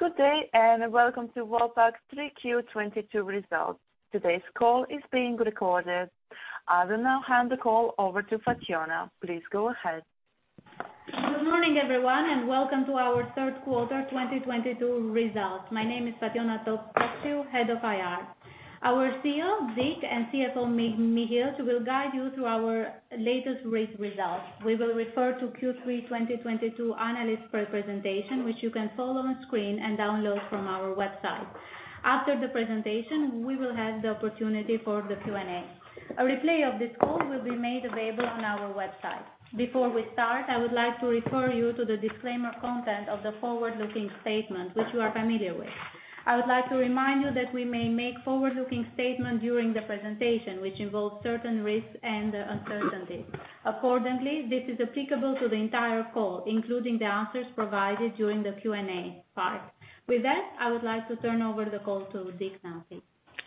Good day and welcome to Vopak's 3Q22 results. Today's call is being recorded. I will now hand the call over to Fatjona. Please go ahead. Good morning, everyone, and welcome to our Third Quarter 2022 Results. My name is Fatjona Topciu, Head of IR. Our CEO, Dick Richelle, and CFO, Michiel Gilsing, will guide you through our latest results. We will refer to Q3 2022 analyst presentation, which you can follow on screen and download from our website. After the presentation, we will have the opportunity for the Q&A. A replay of this call will be made available on our website. Before we start, I would like to refer you to the disclaimer content of the forward-looking statement, which you are familiar with. I would like to remind you that we may make forward-looking statements during the presentation, which involves certain risks and uncertainties. Accordingly, this is applicable to the entire call, including the answers provided during the Q&A part. With that, I would like to turn over the call to Dick Richelle now, please.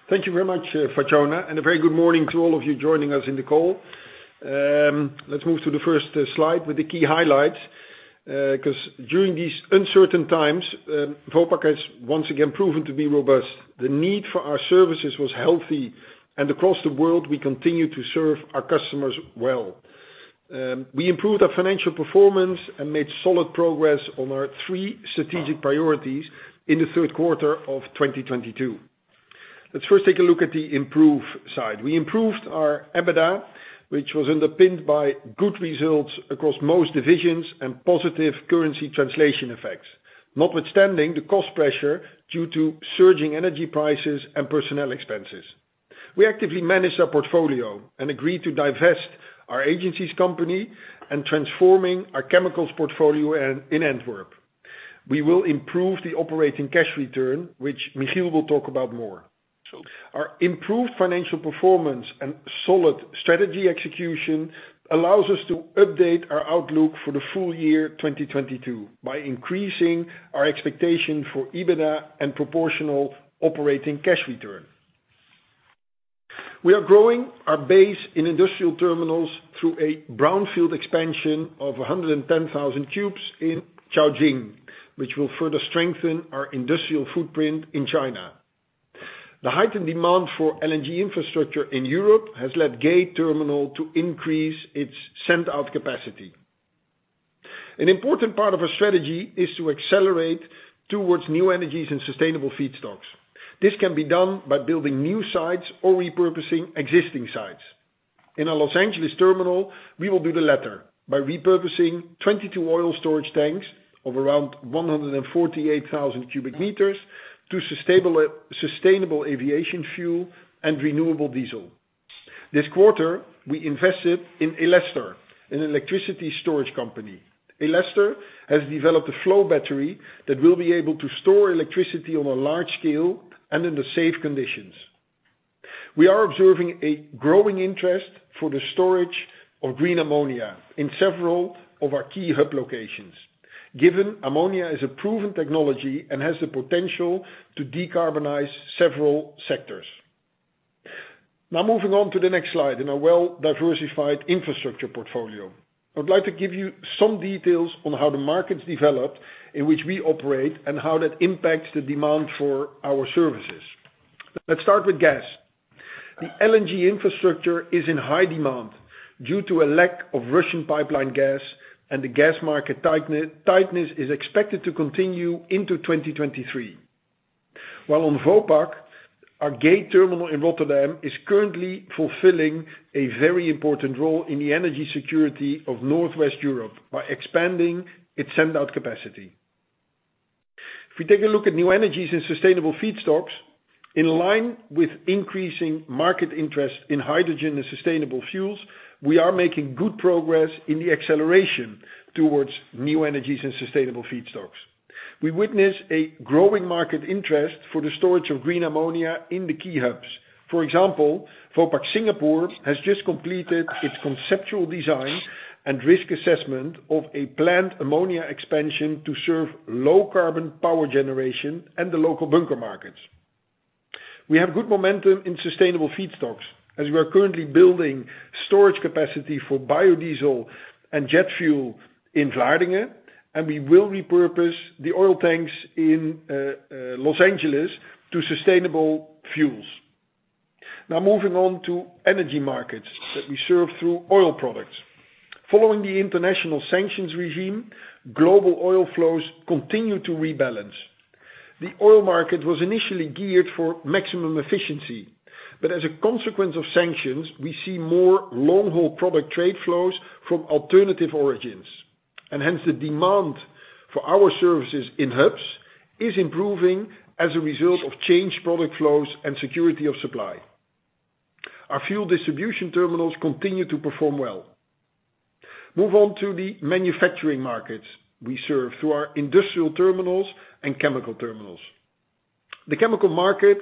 Thank you very much, Fatjona, and a very good morning to all of you joining us in the call. Let's move to the first slide with the key highlights, 'cause during these uncertain times, Vopak has once again proven to be robust. The need for our services was healthy, and across the world, we continue to serve our customers well. We improved our financial performance and made solid progress on our three strategic priorities in the third quarter of 2022. Let's first take a look at the improved side. We improved our EBITDA, which was underpinned by good results across most divisions and positive currency translation effects. Notwithstanding the cost pressure due to surging energy prices and personnel expenses. We actively managed our portfolio and agreed to divest our Agencies company and transforming our chemicals portfolio in Antwerp. We will improve the operating cash return, which Michiel will talk about more. Our improved financial performance and solid strategy execution allows us to update our outlook for the full year 2022 by increasing our expectation for EBITDA and proportional operating cash return. We are growing our base in industrial terminals through a brownfield expansion of 110,000 cubes in Caojing, which will further strengthen our industrial footprint in China. The heightened demand for LNG infrastructure in Europe has led Gate Terminal to increase its send out capacity. An important part of our strategy is to accelerate towards new energies and sustainable feedstocks. This can be done by building new sites or repurposing existing sites. In our Los Angeles terminal, we will do the latter by repurposing 22 oil storage tanks of around 148,000 cubic meters to sustainable aviation fuel and renewable diesel. This quarter, we invested in Elestor, an electricity storage company. Elestor has developed a flow battery that will be able to store electricity on a large scale and under safe conditions. We are observing a growing interest for the storage of green ammonia in several of our key hub locations. Given ammonia is a proven technology and has the potential to decarbonize several sectors. Now moving on to the next slide in our well-diversified infrastructure portfolio. I would like to give you some details on how the markets develop in which we operate and how that impacts the demand for our services. Let's start with gas. The LNG infrastructure is in high demand due to a lack of Russian pipeline gas, and the gas market tightness is expected to continue into 2023. While on Vopak, our Gate Terminal in Rotterdam is currently fulfilling a very important role in the energy security of Northwest Europe by expanding its send out capacity. If we take a look at new energies and sustainable feedstocks, in line with increasing market interest in hydrogen and sustainable fuels, we are making good progress in the acceleration towards new energies and sustainable feedstocks. We witness a growing market interest for the storage of green ammonia in the key hubs. For example, Vopak Singapore has just completed its conceptual design and risk assessment of a planned ammonia expansion to serve low carbon power generation and the local bunker markets. We have good momentum in sustainable feedstocks, as we are currently building storage capacity for biodiesel and jet fuel in Vlaardingen, and we will repurpose the oil tanks in Los Angeles to sustainable fuels. Now, moving on to energy markets that we serve through oil products. Following the international sanctions regime, global oil flows continue to rebalance. The oil market was initially geared for maximum efficiency, but as a consequence of sanctions, we see more long-haul product trade flows from alternative origins. Hence the demand for our services in hubs is improving as a result of changed product flows and security of supply. Our fuel distribution terminals continue to perform well. Move on to the manufacturing markets we serve through our industrial terminals and chemical terminals. The chemical market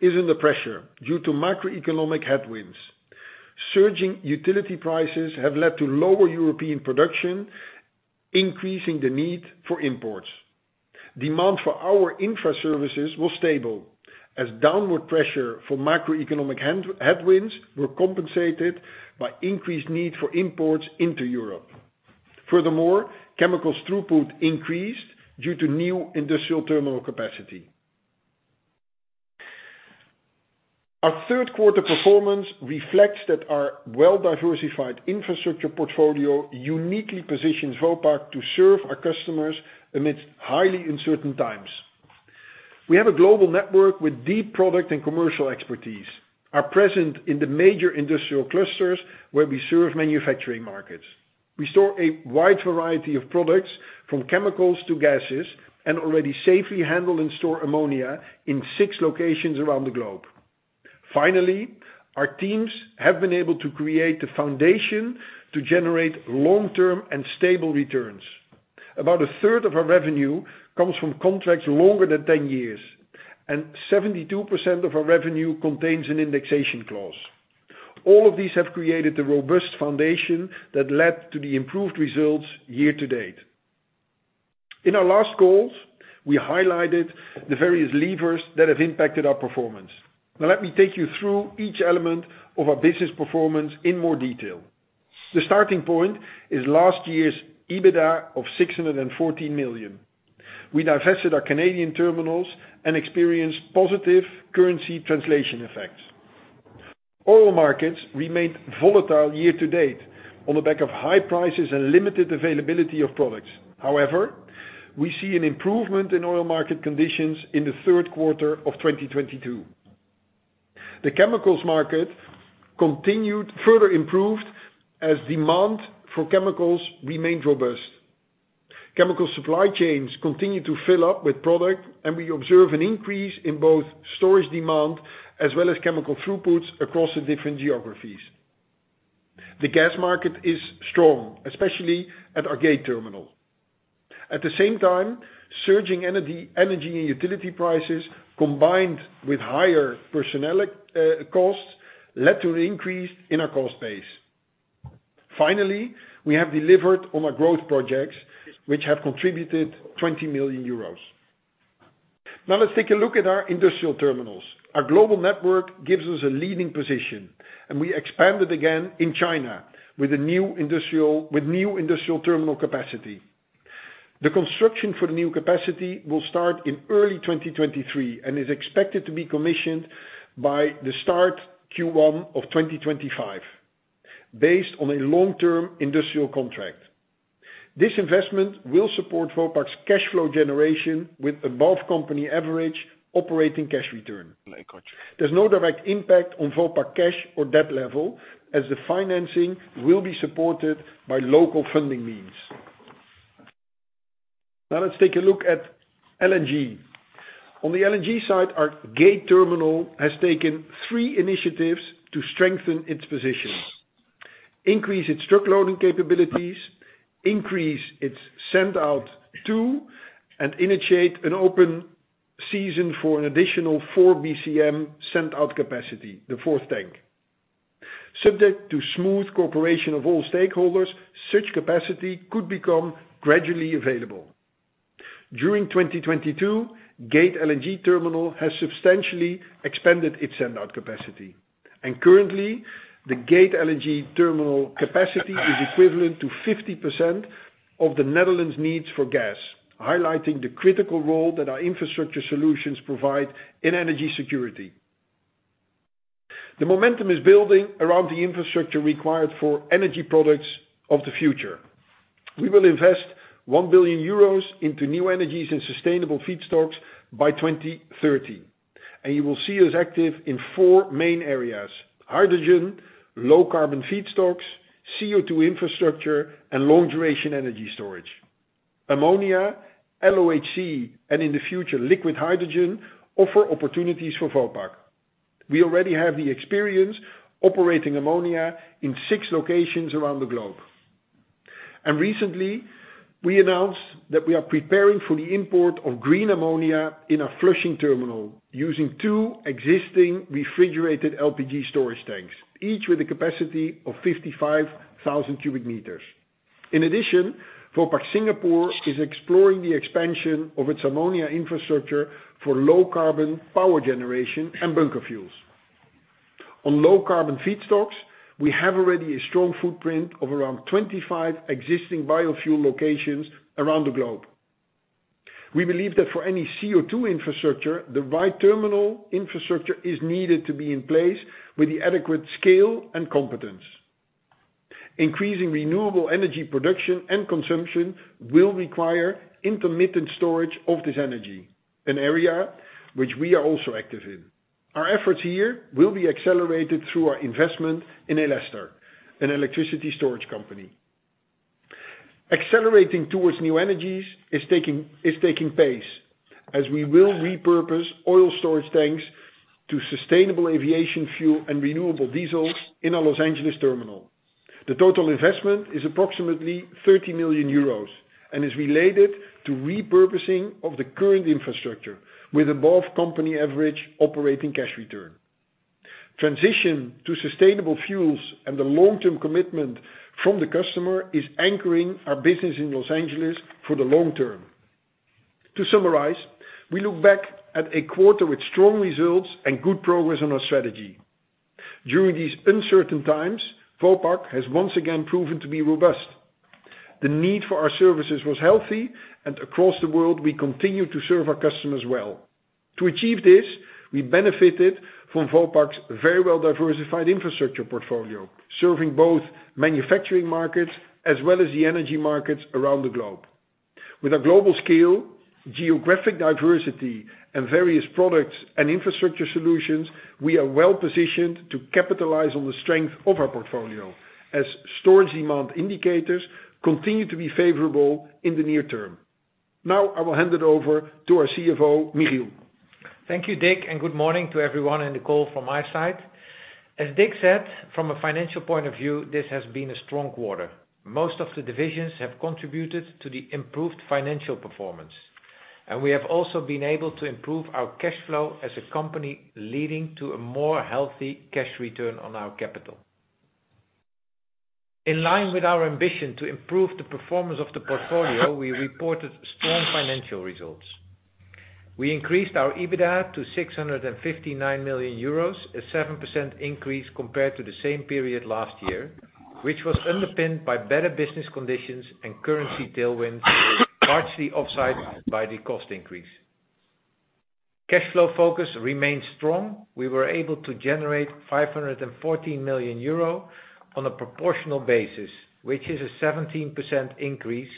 is under pressure due to macroeconomic headwinds. Surging utility prices have led to lower European production, increasing the need for imports. Demand for our infra services was stable as downward pressure from macroeconomic headwinds were compensated by increased need for imports into Europe. Furthermore, chemicals throughput increased due to new industrial terminal capacity. Our third quarter performance reflects that our well-diversified infrastructure portfolio uniquely positions Vopak to serve our customers amidst highly uncertain times. We have a global network with deep product and commercial expertise, are present in the major industrial clusters where we serve manufacturing markets. We store a wide variety of products, from chemicals to gases, and already safely handle and store ammonia in six locations around the globe. Finally, our teams have been able to create the foundation to generate long-term and stable returns. About a third of our revenue comes from contracts longer than 10 years, and 72% of our revenue contains an indexation clause. All of these have created the robust foundation that led to the improved results year to date. In our last calls, we highlighted the various levers that have impacted our performance. Now let me take you through each element of our business performance in more detail. The starting point is last year's EBITDA of 614 million. We divested our Canadian terminals and experienced positive currency translation effects. Oil markets remained volatile year to date on the back of high prices and limited availability of products. However, we see an improvement in oil market conditions in the third quarter of 2022. The chemicals market continued further improved as demand for chemicals remained robust. Chemical supply chains continue to fill up with product, and we observe an increase in both storage demand as well as chemical throughputs across the different geographies. The gas market is strong, especially at our Gate terminal. At the same time, surging energy and utility prices, combined with higher personnel costs, led to an increase in our cost base. Finally, we have delivered on our growth projects which have contributed 20 million euros. Now let's take a look at our industrial terminals. Our global network gives us a leading position, and we expanded again in China with new industrial terminal capacity. The construction for the new capacity will start in early 2023 and is expected to be commissioned by the start Q1 of 2025 based on a long-term industrial contract. This investment will support Vopak's cash flow generation with above company average operating cash return. There's no direct impact on Vopak cash or debt level, as the financing will be supported by local funding means. Now let's take a look at LNG. On the LNG side, our Gate terminal has taken three initiatives to strengthen its position, increase its truck loading capabilities, increase its send out too, and initiate an open season for an additional 4 BCM send out capacity, the fourth tank. Subject to smooth cooperation of all stakeholders, such capacity could become gradually available. During 2022, Gate LNG terminal has substantially expanded its send out capacity. Currently, the Gate LNG terminal capacity is equivalent to 50% of the Netherlands needs for gas, highlighting the critical role that our infrastructure solutions provide in energy security. The momentum is building around the infrastructure required for energy products of the future. We will invest 1 billion euros into new energies and sustainable feedstocks by 2030, and you will see us active in four main areas, hydrogen, low carbon feedstocks, CO2 infrastructure, and long-duration energy storage. Ammonia, LOHC and in the future, liquid hydrogen offer opportunities for Vopak. We already have the experience operating ammonia in six locations around the globe. Recently, we announced that we are preparing for the import of green ammonia in our Flushing terminal using two existing refrigerated LPG storage tanks, each with a capacity of 55,000 cubic meters. In addition, Vopak Singapore is exploring the expansion of its ammonia infrastructure for low carbon power generation and bunker fuels. On low carbon feedstocks, we have already a strong footprint of around 25 existing biofuel locations around the globe. We believe that for any CO2 infrastructure, the right terminal infrastructure is needed to be in place with the adequate scale and competence. Increasing renewable energy production and consumption will require intermittent storage of this energy, an area which we are also active in. Our efforts here will be accelerated through our investment in Elestor, an electricity storage company. Accelerating towards new energies is taking pace as we will repurpose oil storage tanks to sustainable aviation fuel and renewable diesel in our Los Angeles terminal. The total investment is approximately 30 million euros and is related to repurposing of the current infrastructure with above company average operating cash return. Transition to sustainable fuels and the long-term commitment from the customer is anchoring our business in Los Angeles for the long term. To summarize, we look back at a quarter with strong results and good progress on our strategy. During these uncertain times, Vopak has once again proven to be robust. The need for our services was healthy, and across the world, we continue to serve our customers well. To achieve this, we benefited from Vopak's very well diversified infrastructure portfolio, serving both manufacturing markets as well as the energy markets around the globe. With a global scale, geographic diversity, and various products and infrastructure solutions, we are well-positioned to capitalize on the strength of our portfolio as storage demand indicators continue to be favorable in the near term. Now, I will hand it over to our CFO, Michiel. Thank you, Dick, and good morning to everyone on the call from my side. As Dick said, from a financial point of view, this has been a strong quarter. Most of the divisions have contributed to the improved financial performance, and we have also been able to improve our cash flow as a company, leading to a more healthy cash return on our capital. In line with our ambition to improve the performance of the portfolio, we reported strong financial results. We increased our EBITDA to 659 million euros, a 7% increase compared to the same period last year, which was underpinned by better business conditions and currency tailwinds, largely offset by the cost increase. Cash flow focus remains strong. We were able to generate 514 million euro on a proportional basis, which is a 17% increase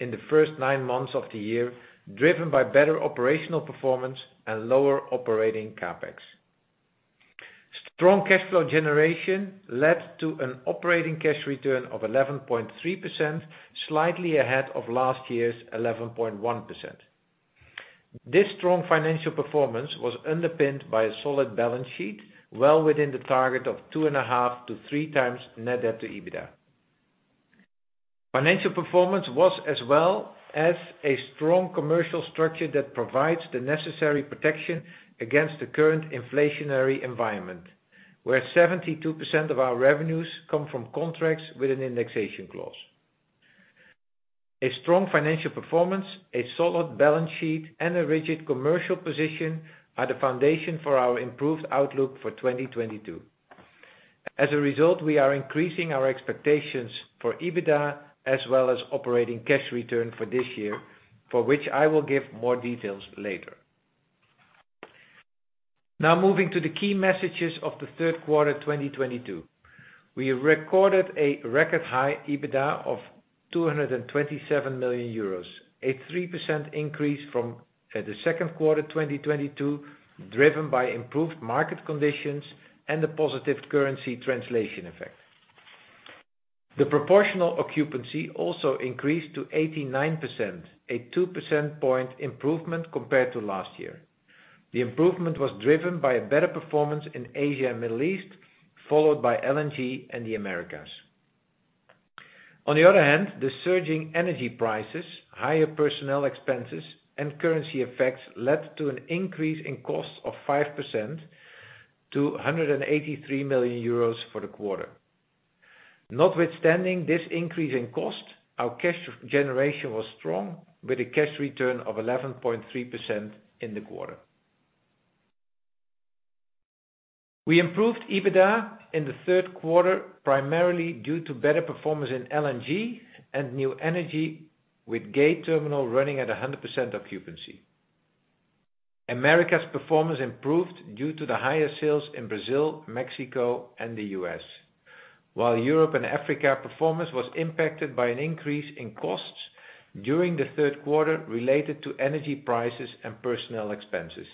in the first nine months of the year, driven by better operational performance and lower operating CapEx. Strong cash flow generation led to an operating cash return of 11.3%, slightly ahead of last year's 11.1%. This strong financial performance was underpinned by a solid balance sheet, well within the target of 2.5-3 times net debt to EBITDA, as well as a strong commercial structure that provides the necessary protection against the current inflationary environment, where 72% of our revenues come from contracts with an indexation clause. A strong financial performance, a solid balance sheet, and a rigid commercial position are the foundation for our improved outlook for 2022. As a result, we are increasing our expectations for EBITDA as well as operating cash return for this year, for which I will give more details later. Now moving to the key messages of the third quarter 2022. We recorded a record high EBITDA of 227 million euros, a 3% increase from the second quarter 2022, driven by improved market conditions and the positive currency translation effect. The proportional occupancy also increased to 89%, a 2 percentage point improvement compared to last year. The improvement was driven by a better performance in Asia and Middle East, followed by LNG and the Americas. On the other hand, the surging energy prices, higher personnel expenses, and currency effects led to an increase in costs of 5% to 183 million euros for the quarter. Notwithstanding this increase in cost, our cash generation was strong, with a cash return of 11.3% in the quarter. We improved EBITDA in the third quarter, primarily due to better performance in LNG and new energy, with Gate Terminal running at 100% occupancy. Americas performance improved due to the higher sales in Brazil, Mexico, and the U.S. While Europe & Africa performance was impacted by an increase in costs during the third quarter related to energy prices and personnel expenses.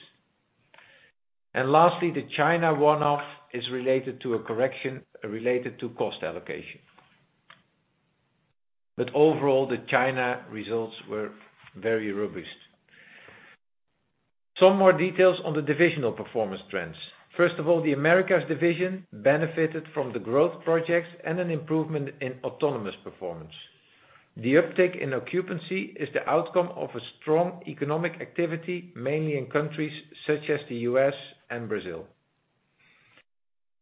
Lastly, the China one-off is related to a correction related to cost allocation. Overall, the China results were very robust. Some more details on the divisional performance trends. First of all, the Americas division benefited from the growth projects and an improvement in autonomous performance. The uptick in occupancy is the outcome of a strong economic activity, mainly in countries such as the U.S. and Brazil.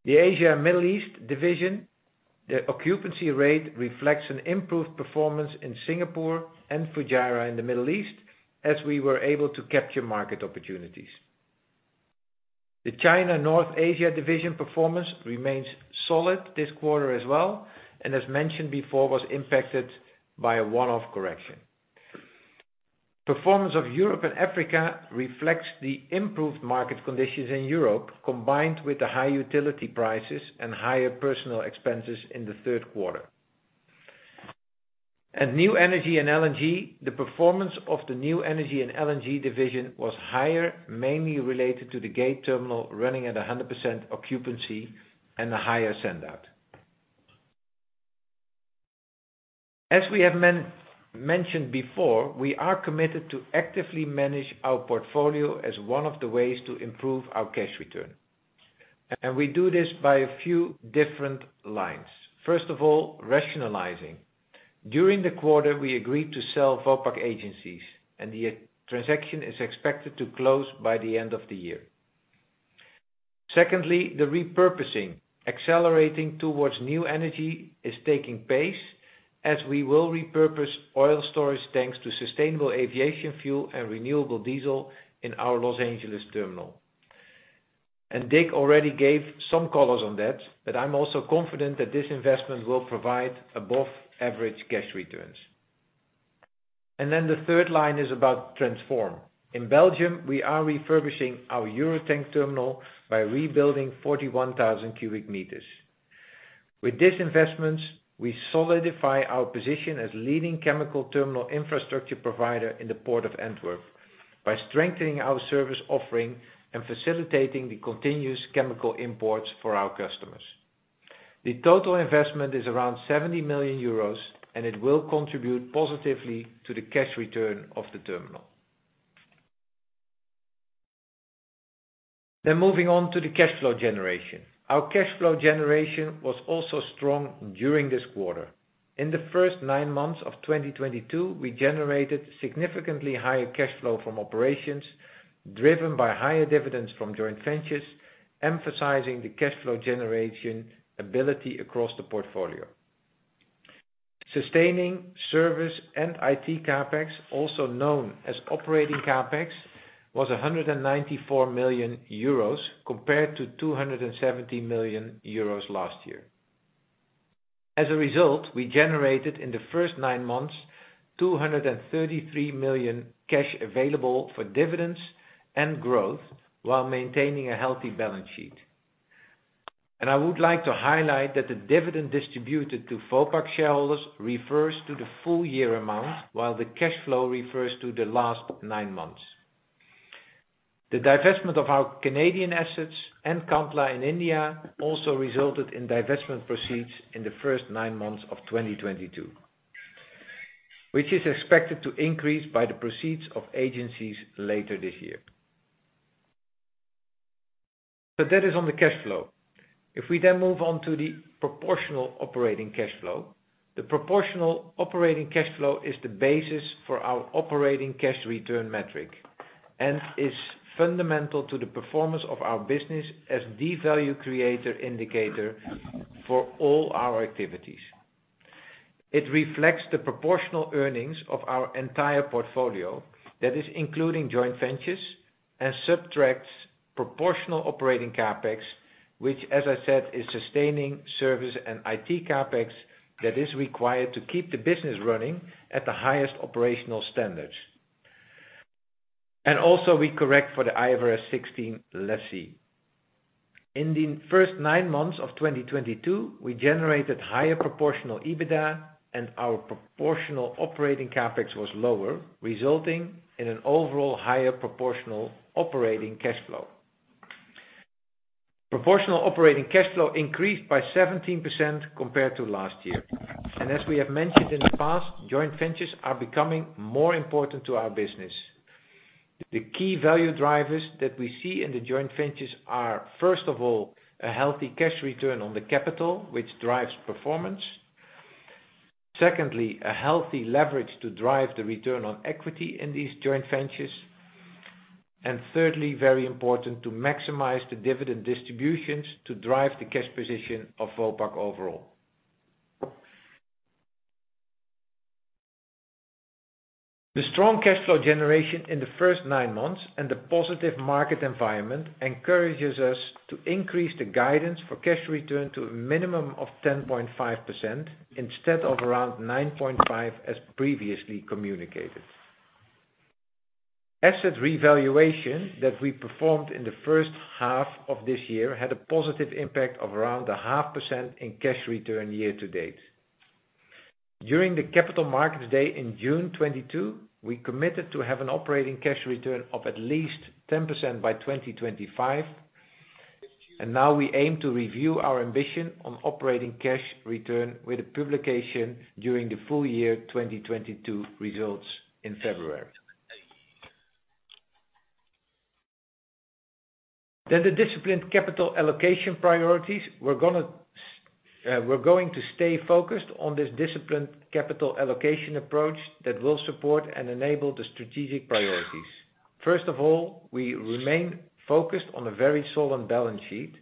The Asia & Middle East division, the occupancy rate reflects an improved performance in Singapore and Fujairah in the Middle East, as we were able to capture market opportunities. The China & North Asia division performance remains solid this quarter as well, and as mentioned before, was impacted by a one-off correction. Performance of Europe & Africa reflects the improved market conditions in Europe, combined with the high utility prices and higher personal expenses in the third quarter. New Energy & LNG, the performance of the New Energy & LNG division was higher, mainly related to the Gate Terminal running at 100% occupancy and a higher send-out. As we have mentioned before, we are committed to actively manage our portfolio as one of the ways to improve our cash return, and we do this by a few different lines. First of all, rationalizing. During the quarter, we agreed to sell Vopak Agencies and the transaction is expected to close by the end of the year. Secondly, the repurposing, accelerating towards new energy is taking pace as we will repurpose oil storage thanks to sustainable aviation fuel and renewable diesel in our Los Angeles terminal. Dick already gave some colors on that, but I'm also confident that this investment will provide above average cash returns. The third line is about transform. In Belgium, we are refurbishing our Vopak Terminal Eurotank by rebuilding 41,000 cubic meters. With this investments, we solidify our position as leading chemical terminal infrastructure provider in the port of Antwerp by strengthening our service offering and facilitating the continuous chemical imports for our customers. The total investment is around 70 million euros and it will contribute positively to the cash return of the terminal. Moving on to the cash flow generation. Our cash flow generation was also strong during this quarter. In the first nine months of 2022, we generated significantly higher cash flow from operations driven by higher dividends from joint ventures, emphasizing the cash flow generation ability across the portfolio. Sustaining, service, and IT CapEx, also known as operating CapEx, was 194 million euros compared to 270 million euros last year. As a result, we generated in the first nine months, 233 million cash available for dividends and growth while maintaining a healthy balance sheet. I would like to highlight that the dividend distributed to Vopak shareholders refers to the full year amount, while the cash flow refers to the last nine months. The divestment of our Canadian assets and Kandla in India also resulted in divestment proceeds in the first nine months of 2022, which is expected to increase by the proceeds of Vopak Agencies later this year. That is on the cash flow. If we then move on to the proportional operating cash flow. The proportional operating cash flow is the basis for our operating cash return metric and is fundamental to the performance of our business as the value creator indicator for all our activities. It reflects the proportional earnings of our entire portfolio that is including joint ventures and subtracts proportional operating CapEx, which as I said, is sustaining service and IT CapEx that is required to keep the business running at the highest operational standards. Also we correct for the IFRS 16 lease. In the first nine months of 2022, we generated higher proportional EBITDA and our proportional operating CapEx was lower, resulting in an overall higher proportional operating cash flow. Proportional operating cash flow increased by 17% compared to last year. As we have mentioned in the past, joint ventures are becoming more important to our business. The key value drivers that we see in the joint ventures are, first of all, a healthy cash return on the capital, which drives performance. Secondly, a healthy leverage to drive the return on equity in these joint ventures. Thirdly, very important to maximize the dividend distributions to drive the cash position of Vopak overall. The strong cash flow generation in the first nine months and the positive market environment encourages us to increase the guidance for cash return to a minimum of 10.5% instead of around 9.5% as previously communicated. Asset revaluation that we performed in the first half of this year had a positive impact of around 0.5% in cash return year to date. During the Capital Markets Day in June 2022, we committed to have an operating cash return of at least 10% by 2025, and now we aim to review our ambition on operating cash return with a publication during the full year 2022 results in February. The disciplined capital allocation priorities. We're going to stay focused on this disciplined capital allocation approach that will support and enable the strategic priorities. First of all, we remain focused on a very solid balance sheet,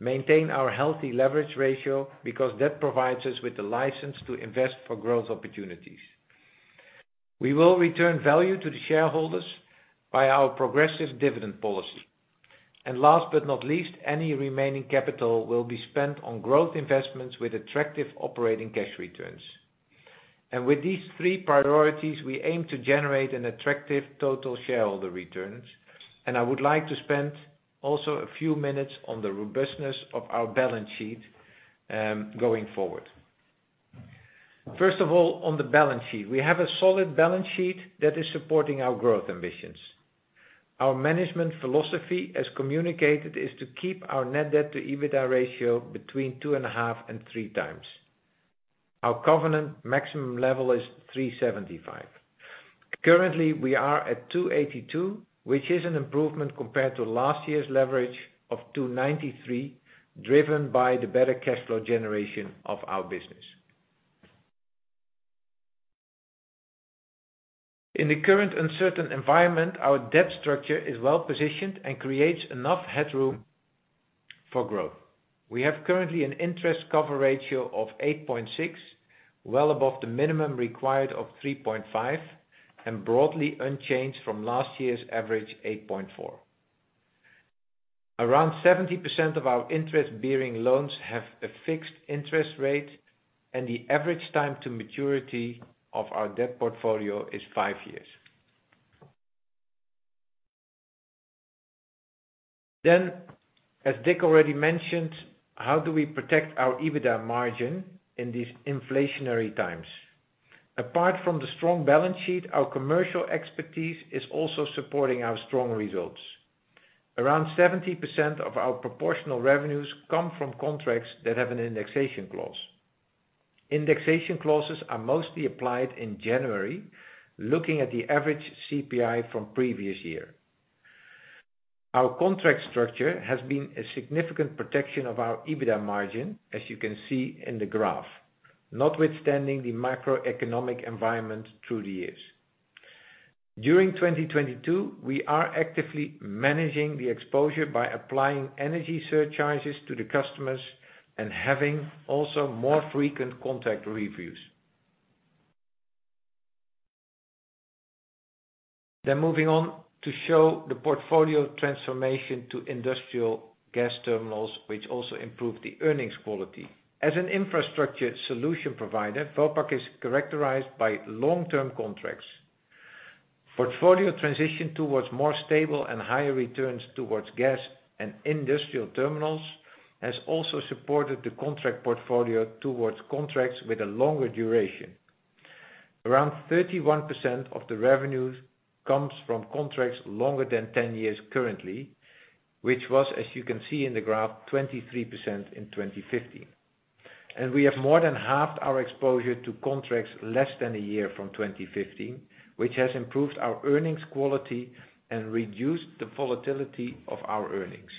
maintain our healthy leverage ratio because that provides us with the license to invest for growth opportunities. We will return value to the shareholders by our progressive dividend policy. Last but not least, any remaining capital will be spent on growth investments with attractive operating cash returns. With these three priorities, we aim to generate an attractive total shareholder returns, and I would like to spend also a few minutes on the robustness of our balance sheet, going forward. First of all, on the balance sheet. We have a solid balance sheet that is supporting our growth ambitions. Our management philosophy, as communicated, is to keep our net debt to EBITDA ratio between 2.5x and 3x. Our covenant maximum level is 3.75. Currently, we are at 2.82, which is an improvement compared to last year's leverage of 2.93, driven by the better cash flow generation of our business. In the current uncertain environment, our debt structure is well-positioned and creates enough headroom for growth. We have currently an interest cover ratio of 8.6, well above the minimum required of 3.5, and broadly unchanged from last year's average 8.4. Around 70% of our interest-bearing loans have a fixed interest rate, and the average time to maturity of our debt portfolio is five years. As Dick already mentioned, how do we protect our EBITDA margin in these inflationary times? Apart from the strong balance sheet, our commercial expertise is also supporting our strong results. Around 70% of our proportional revenues come from contracts that have an indexation clause. Indexation clauses are mostly applied in January, looking at the average CPI from previous year. Our contract structure has been a significant protection of our EBITDA margin, as you can see in the graph, notwithstanding the macroeconomic environment through the years. During 2022, we are actively managing the exposure by applying energy surcharges to the customers and having also more frequent contract reviews. Moving on to show the portfolio transformation to industrial gas terminals, which also improve the earnings quality. As an infrastructure solution provider, Vopak is characterized by long-term contracts. Portfolio transition towards more stable and higher returns towards gas and industrial terminals has also supported the contract portfolio towards contracts with a longer duration. Around 31% of the revenues comes from contracts longer than 10 years currently, which was, as you can see in the graph, 23% in 2015. We have more than halved our exposure to contracts less than a year from 2015, which has improved our earnings quality and reduced the volatility of our earnings.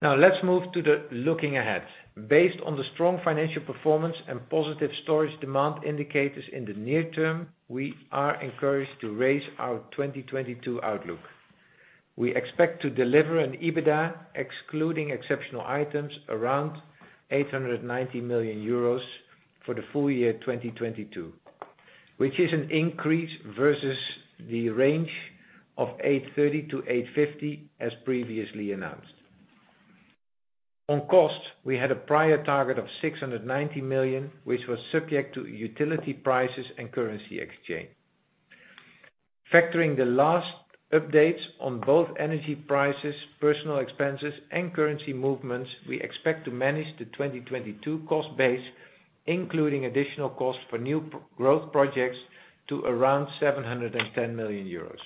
Now, let's move to the looking ahead. Based on the strong financial performance and positive storage demand indicators in the near term, we are encouraged to raise our 2022 outlook. We expect to deliver an EBITDA excluding exceptional items around 890 million euros for the full year 2022, which is an increase versus the range of 830 million-850 million as previously announced. On cost, we had a prior target of 690 million, which was subject to utility prices and currency exchange. Factoring the last updates on both energy prices, personal expenses, and currency movements, we expect to manage the 2022 cost base, including additional costs for new growth projects, to around 710 million euros.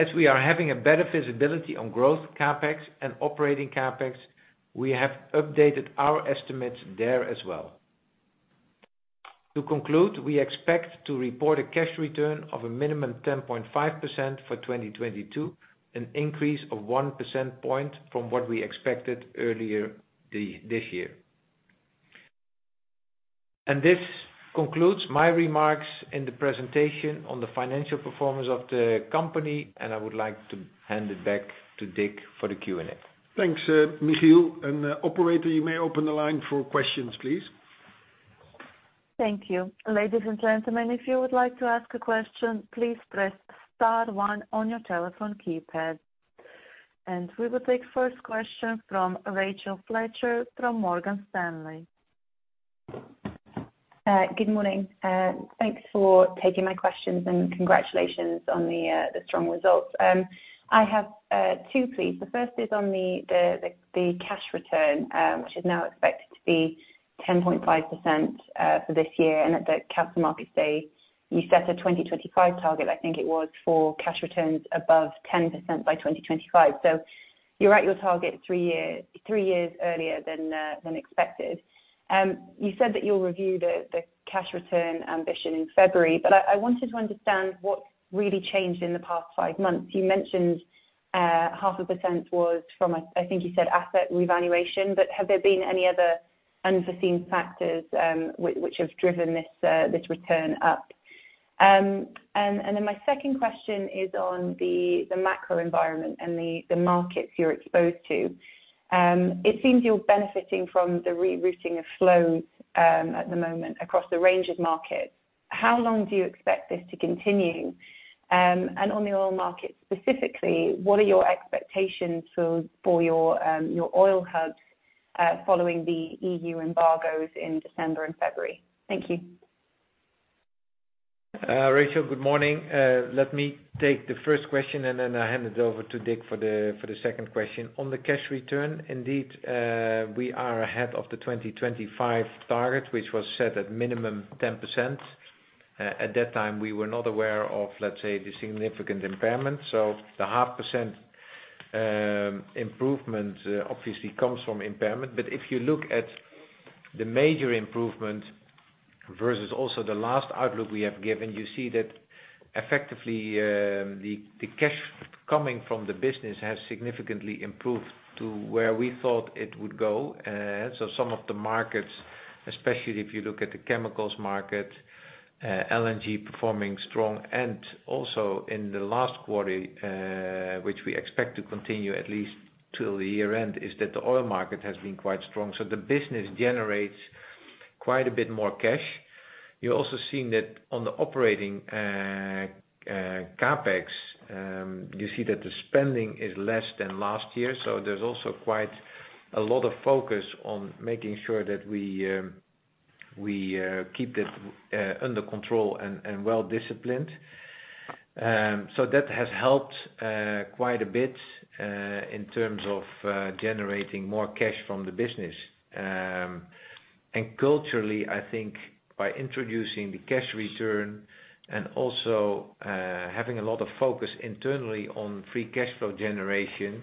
As we are having a better visibility on growth CapEx and operating CapEx, we have updated our estimates there as well. To conclude, we expect to report a cash return of a minimum 10.5% for 2022, an increase of one percentage point from what we expected earlier this year. This concludes my remarks in the presentation on the financial performance of the company, and I would like to hand it back to Dick for the Q&A. Thanks, Michiel. Operator, you may open the line for questions, please. Thank you. Ladies and gentlemen, if you would like to ask a question, please press star one on your telephone keypad. We will take first question from Rachel Fletcher from Morgan Stanley. Good morning. Thanks for taking my questions and congratulations on the strong results. I have two, please. The first is on the cash return, which is now expected to be 10.5% for this year. At the capital market stage, you set a 2025 target, I think it was, for cash returns above 10% by 2025. You're at your target three years earlier than expected. You said that you'll review the cash return ambition in February, but I wanted to understand what's really changed in the past five months. You mentioned 0.5% was from asset revaluation, but have there been any other unforeseen factors which have driven this return up? My second question is on the macro environment and the markets you're exposed to. It seems you're benefiting from the rerouting of flows at the moment across the range of markets. How long do you expect this to continue? On the oil market specifically, what are your expectations for your oil hubs following the EU embargoes in December and February? Thank you. Rachel, good morning. Let me take the first question, and then I'll hand it over to Dick for the second question. On the cash return, indeed, we are ahead of the 2025 target, which was set at minimum 10%. At that time, we were not aware of the significant impairment. The half percent improvement obviously comes from impairment. If you look at the major improvement versus also the last outlook we have given, you see that effectively, the cash coming from the business has significantly improved to where we thought it would go. Some of the markets, especially if you look at the chemicals market, LNG performing strong. In the last quarter, which we expect to continue at least till the year-end, is that the oil market has been quite strong. The business generates quite a bit more cash. You're also seeing that on the operating CapEx, you see that the spending is less than last year, so there's also quite a lot of focus on making sure that we keep that under control and well-disciplined. That has helped quite a bit in terms of generating more cash from the business. Culturally, I think by introducing the cash return and also having a lot of focus internally on free cash flow generation,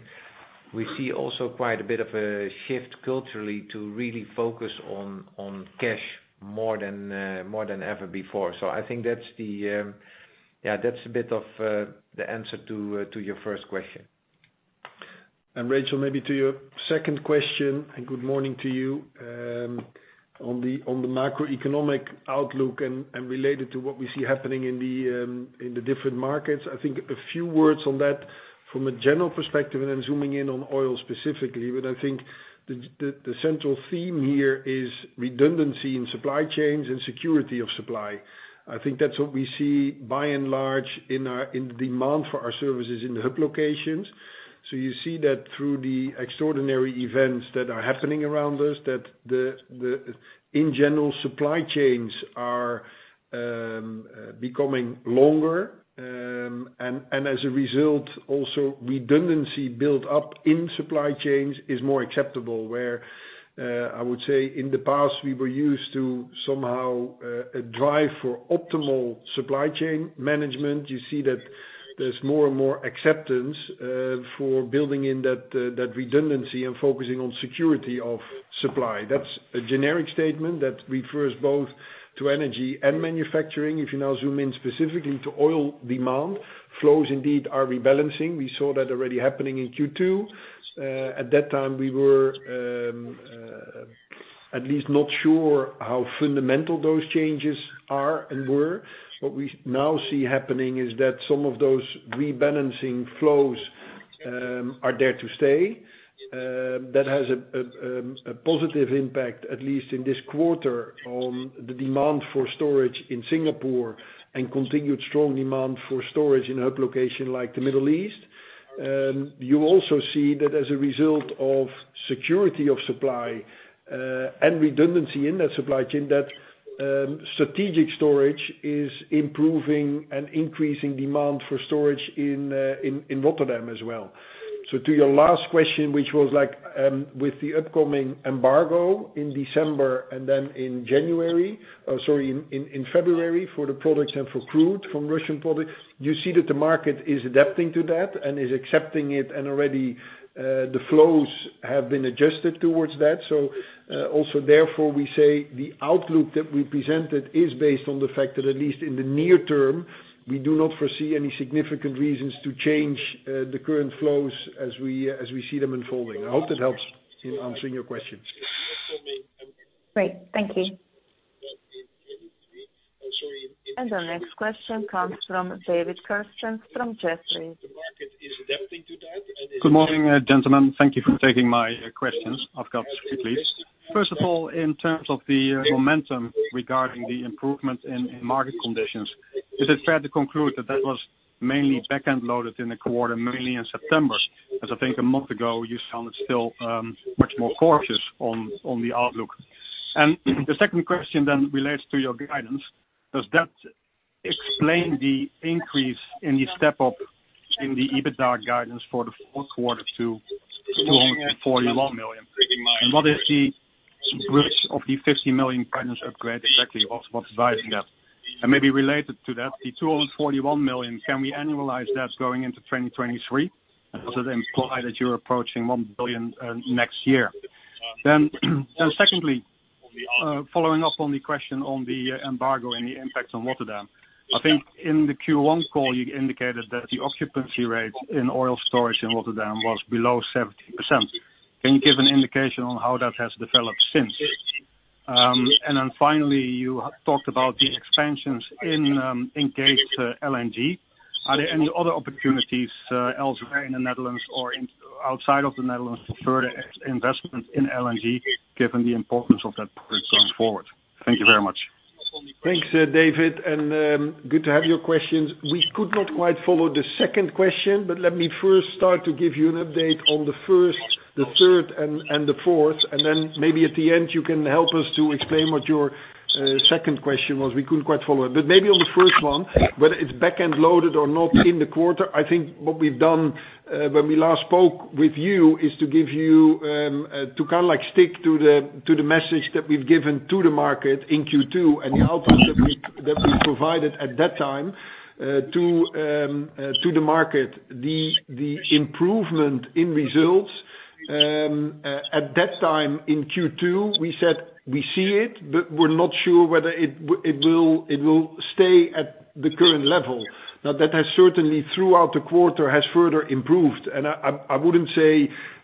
we see also quite a bit of a shift culturally to really focus on cash more than ever before. I think that's a bit of the answer to your first question. Rachel, maybe to your second question, good morning to you, on the macroeconomic outlook and related to what we see happening in the different markets. I think a few words on that from a general perspective, and then zooming in on oil specifically. I think the central theme here is redundancy in supply chains and security of supply. I think that's what we see by and large in the demand for our services in the hub locations. You see that through the extraordinary events that are happening around us, that the in general, supply chains are becoming longer. As a result, also redundancy built up in supply chains is more acceptable where I would say in the past we were used to somehow a drive for optimal supply chain management. You see that there's more and more acceptance for building in that redundancy and focusing on security of supply. That's a generic statement that refers both to energy and manufacturing. If you now zoom in specifically to oil demand, flows indeed are rebalancing. We saw that already happening in Q2. At that time, we were at least not sure how fundamental those changes are and were. What we now see happening is that some of those rebalancing flows are there to stay. That has a positive impact, at least in this quarter, on the demand for storage in Singapore and continued strong demand for storage in a hub location like the Middle East. You also see that as a result of security of supply and redundancy in that supply chain, that strategic storage is improving and increasing demand for storage in Rotterdam as well. To your last question, which was like with the upcoming embargo in December and then in February for the products and for crude from Russian products, you see that the market is adapting to that and is accepting it and already the flows have been adjusted towards that. also therefore, we say the outlook that we presented is based on the fact that at least in the near term, we do not foresee any significant reasons to change the current flows as we see them unfolding. I hope that helps in answering your questions. Great. Thank you. The next question comes from David Kerstens from Jefferies. Good morning, gentlemen. Thank you for taking my questions. I've got three, please. First of all, in terms of the momentum regarding the improvement in market conditions, is it fair to conclude that that was mainly back-end loaded in the quarter, mainly in September? I think a month ago, you sounded still much more cautious on the outlook. The second question then relates to your guidance. Does that explain the increase in the step up in the EBITDA guidance for the fourth quarter to 241 million? What is the risk of the 50 million partners upgrade exactly of what's driving that? Maybe related to that, the 241 million, can we annualize that going into 2023? Does it imply that you're approaching 1 billion next year? Secondly, following up on the question on the embargo and the impact on Rotterdam. I think in the Q1 call, you indicated that the occupancy rate in oil storage in Rotterdam was below 70%. Can you give an indication on how that has developed since? Finally, you talked about the expansions in Gate LNG. Are there any other opportunities elsewhere in the Netherlands or outside of the Netherlands for further investment in LNG, given the importance of that product going forward? Thank you very much. Thanks, David, and good to have your questions. We could not quite follow the second question, but let me first start to give you an update on the first, the third, and the fourth, and then maybe at the end, you can help us to explain what your second question was. We couldn't quite follow it. Maybe on the first one, whether it's back-end loaded or not in the quarter, I think what we've done, when we last spoke with you is to kinda like stick to the message that we've given to the market in Q2 and the outlook that we provided at that time to the market. The improvement in results at that time in Q2, we said we see it, but we're not sure whether it will stay at the current level. Now, that has certainly throughout the quarter further improved. I wouldn't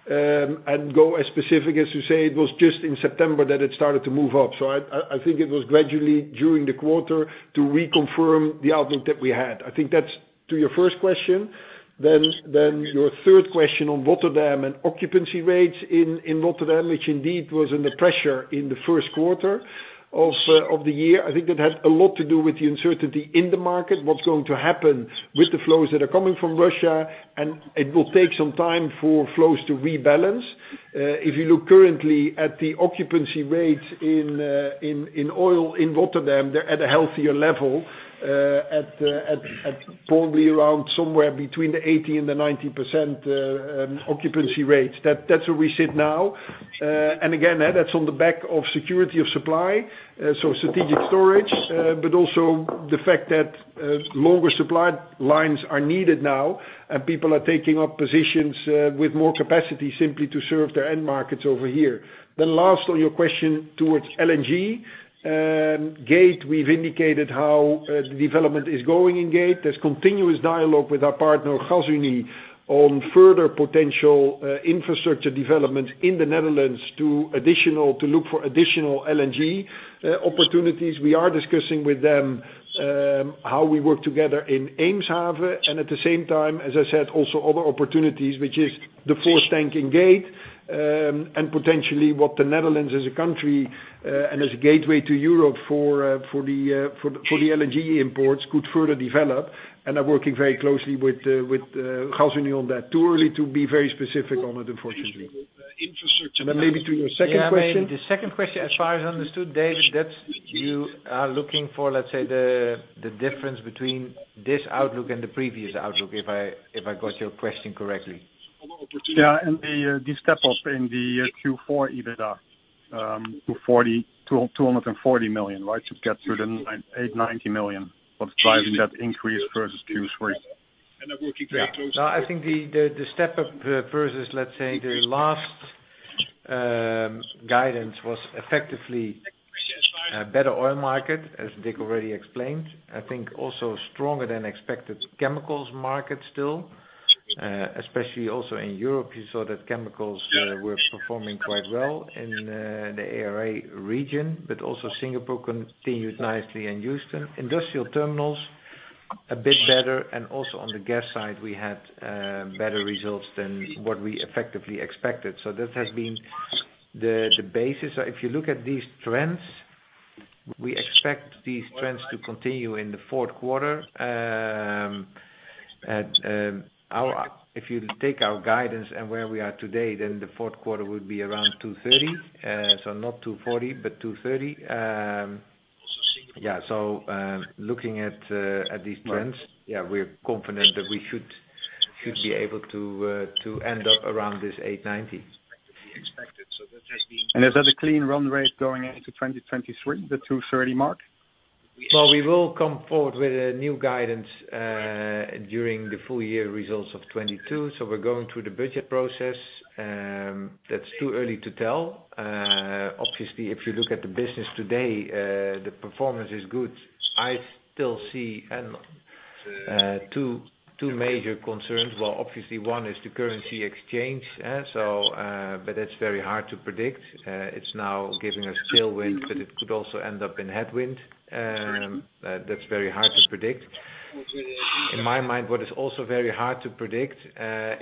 go as specific as to say it was just in September that it started to move up. I think it was gradually during the quarter to reconfirm the outlook that we had. I think that's to your first question. Your third question on Rotterdam and occupancy rates in Rotterdam, which indeed was under pressure in the first quarter of the year. I think that had a lot to do with the uncertainty in the market, what's going to happen with the flows that are coming from Russia, and it will take some time for flows to rebalance. If you look currently at the occupancy rates in oil in Rotterdam, they're at a healthier level, at probably around somewhere between 80%-90% occupancy rates. That's where we sit now. Again, that's on the back of security of supply, so strategic storage, but also the fact that longer supply lines are needed now, and people are taking up positions with more capacity simply to serve their end markets over here. Last, on your question toward LNG, Gate, we've indicated how the development is going in Gate. There's continuous dialogue with our partner, Gasunie, on further potential infrastructure development in the Netherlands to look for additional LNG opportunities. We are discussing with them how we work together in Eemshaven, and at the same time, as I said, also other opportunities, which is the fourth tank in Gate, and potentially what the Netherlands as a country, and as a gateway to Europe for the LNG imports could further develop. We are working very closely with Gasunie on that. Too early to be very specific on it, unfortunately. Maybe to your second question. Yeah, I mean, the second question, as far as I understood, David, that's you are looking for, let's say, the difference between this outlook and the previous outlook, if I got your question correctly. Yeah. The step up in the Q4 EBITDA to 242 million, right? To get to the 989 million. What's driving that increase versus Q3? Yeah. No, I think the step up versus, let's say, the last guidance was effectively better oil market, as Dick already explained. I think also stronger than expected chemicals market still, especially also in Europe, you saw that chemicals were performing quite well in the ARA region, but also Singapore continued nicely in Houston. Industrial terminals, a bit better. Also on the gas side, we had better results than what we effectively expected. This has been the basis. If you look at these trends, we expect these trends to continue in the fourth quarter. At our, if you take our guidance and where we are today, then the fourth quarter would be around 230. Not 240, but 230. Looking at these trends, yeah, we're confident that we should be able to end up around this 8.90. Is that a clean run rate going into 2023, the 230 mark? Well, we will come forward with a new guidance during the full year results of 2022. We're going through the budget process. That's too early to tell. Obviously, if you look at the business today, the performance is good. I still see two major concerns. Well, obviously one is the currency exchange, but it's very hard to predict. It's now giving us tailwind, but it could also end up in headwind. That's very hard to predict. In my mind, what is also very hard to predict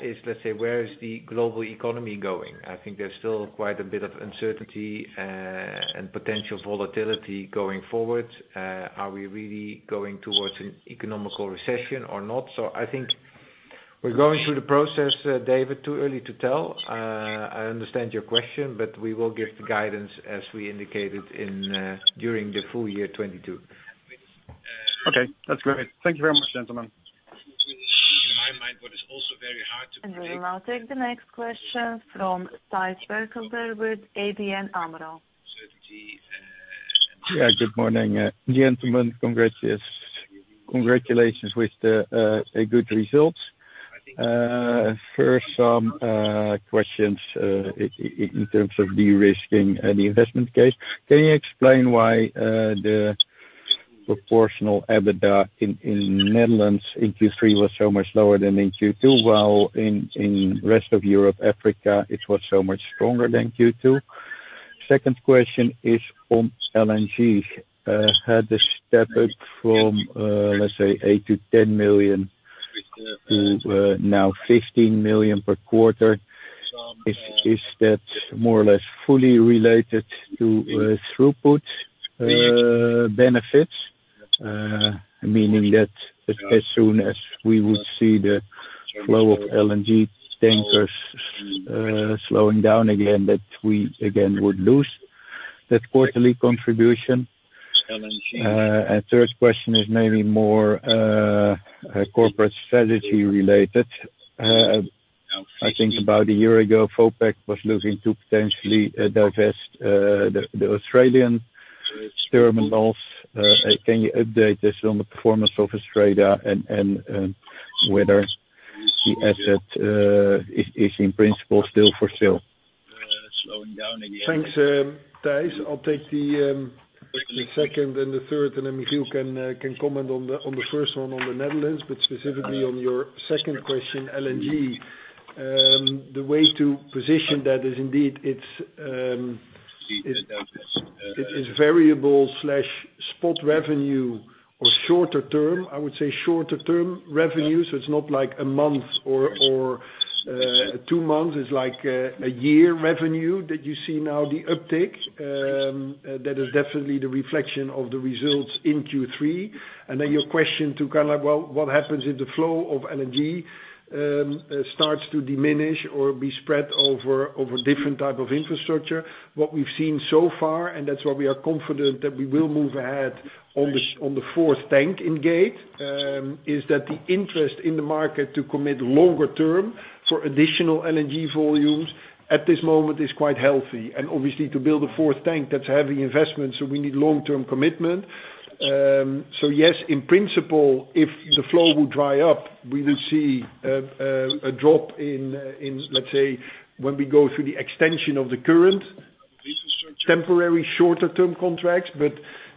is, let's say, where is the global economy going? I think there's still quite a bit of uncertainty and potential volatility going forward. Are we really going towards an economic recession or not? I think we're going through the process, David, too early to tell. I understand your question, but we will give the guidance as we indicated during the full year 2022. Okay, that's great. Thank you very much, gentlemen. We will now take the next question from Thijs Berkelder with ABN AMRO. Yeah, good morning. Gentlemen, congratulations with a good result. First, some questions in terms of de-risking the investment case. Can you explain why the proportional EBITDA in the Netherlands in Q3 was so much lower than in Q2, while in the rest of Europe & Africa, it was so much stronger than Q2? Second question is on LNG. The step up from, let's say 8-10 million to now 15 million per quarter. Is that more or less fully related to throughput benefits? Meaning that, as soon as we would see the flow of LNG tankers slowing down again, that we again would lose that quarterly contribution. Third question is maybe more corporate strategy related. I think about a year ago, Vopak was looking to potentially divest the Australian terminals. Can you update us on the performance of Australia and whether the asset is in principle still for sale? Thanks, Thijs. I'll take the second and the third, and then Michiel can comment on the first one on the Netherlands. Specifically on your second question, LNG, the way to position that is indeed it is variable slash spot revenue or shorter term, I would say shorter term revenue. It's not like a month or a year revenue that you see now the uptick. That is definitely the reflection of the results in Q3. Then your question to kind of, well, what happens if the flow of LNG starts to diminish or be spread over different type of infrastructure. What we've seen so far, and that's why we are confident that we will move ahead on the fourth tank at Gate, is that the interest in the market to commit longer term for additional LNG volumes at this moment is quite healthy. Obviously to build a fourth tank, that's heavy investment, so we need long-term commitment. Yes, in principle, if the flow would dry up, we would see a drop in, let's say, when we go through the extension of the current temporary shorter term contracts.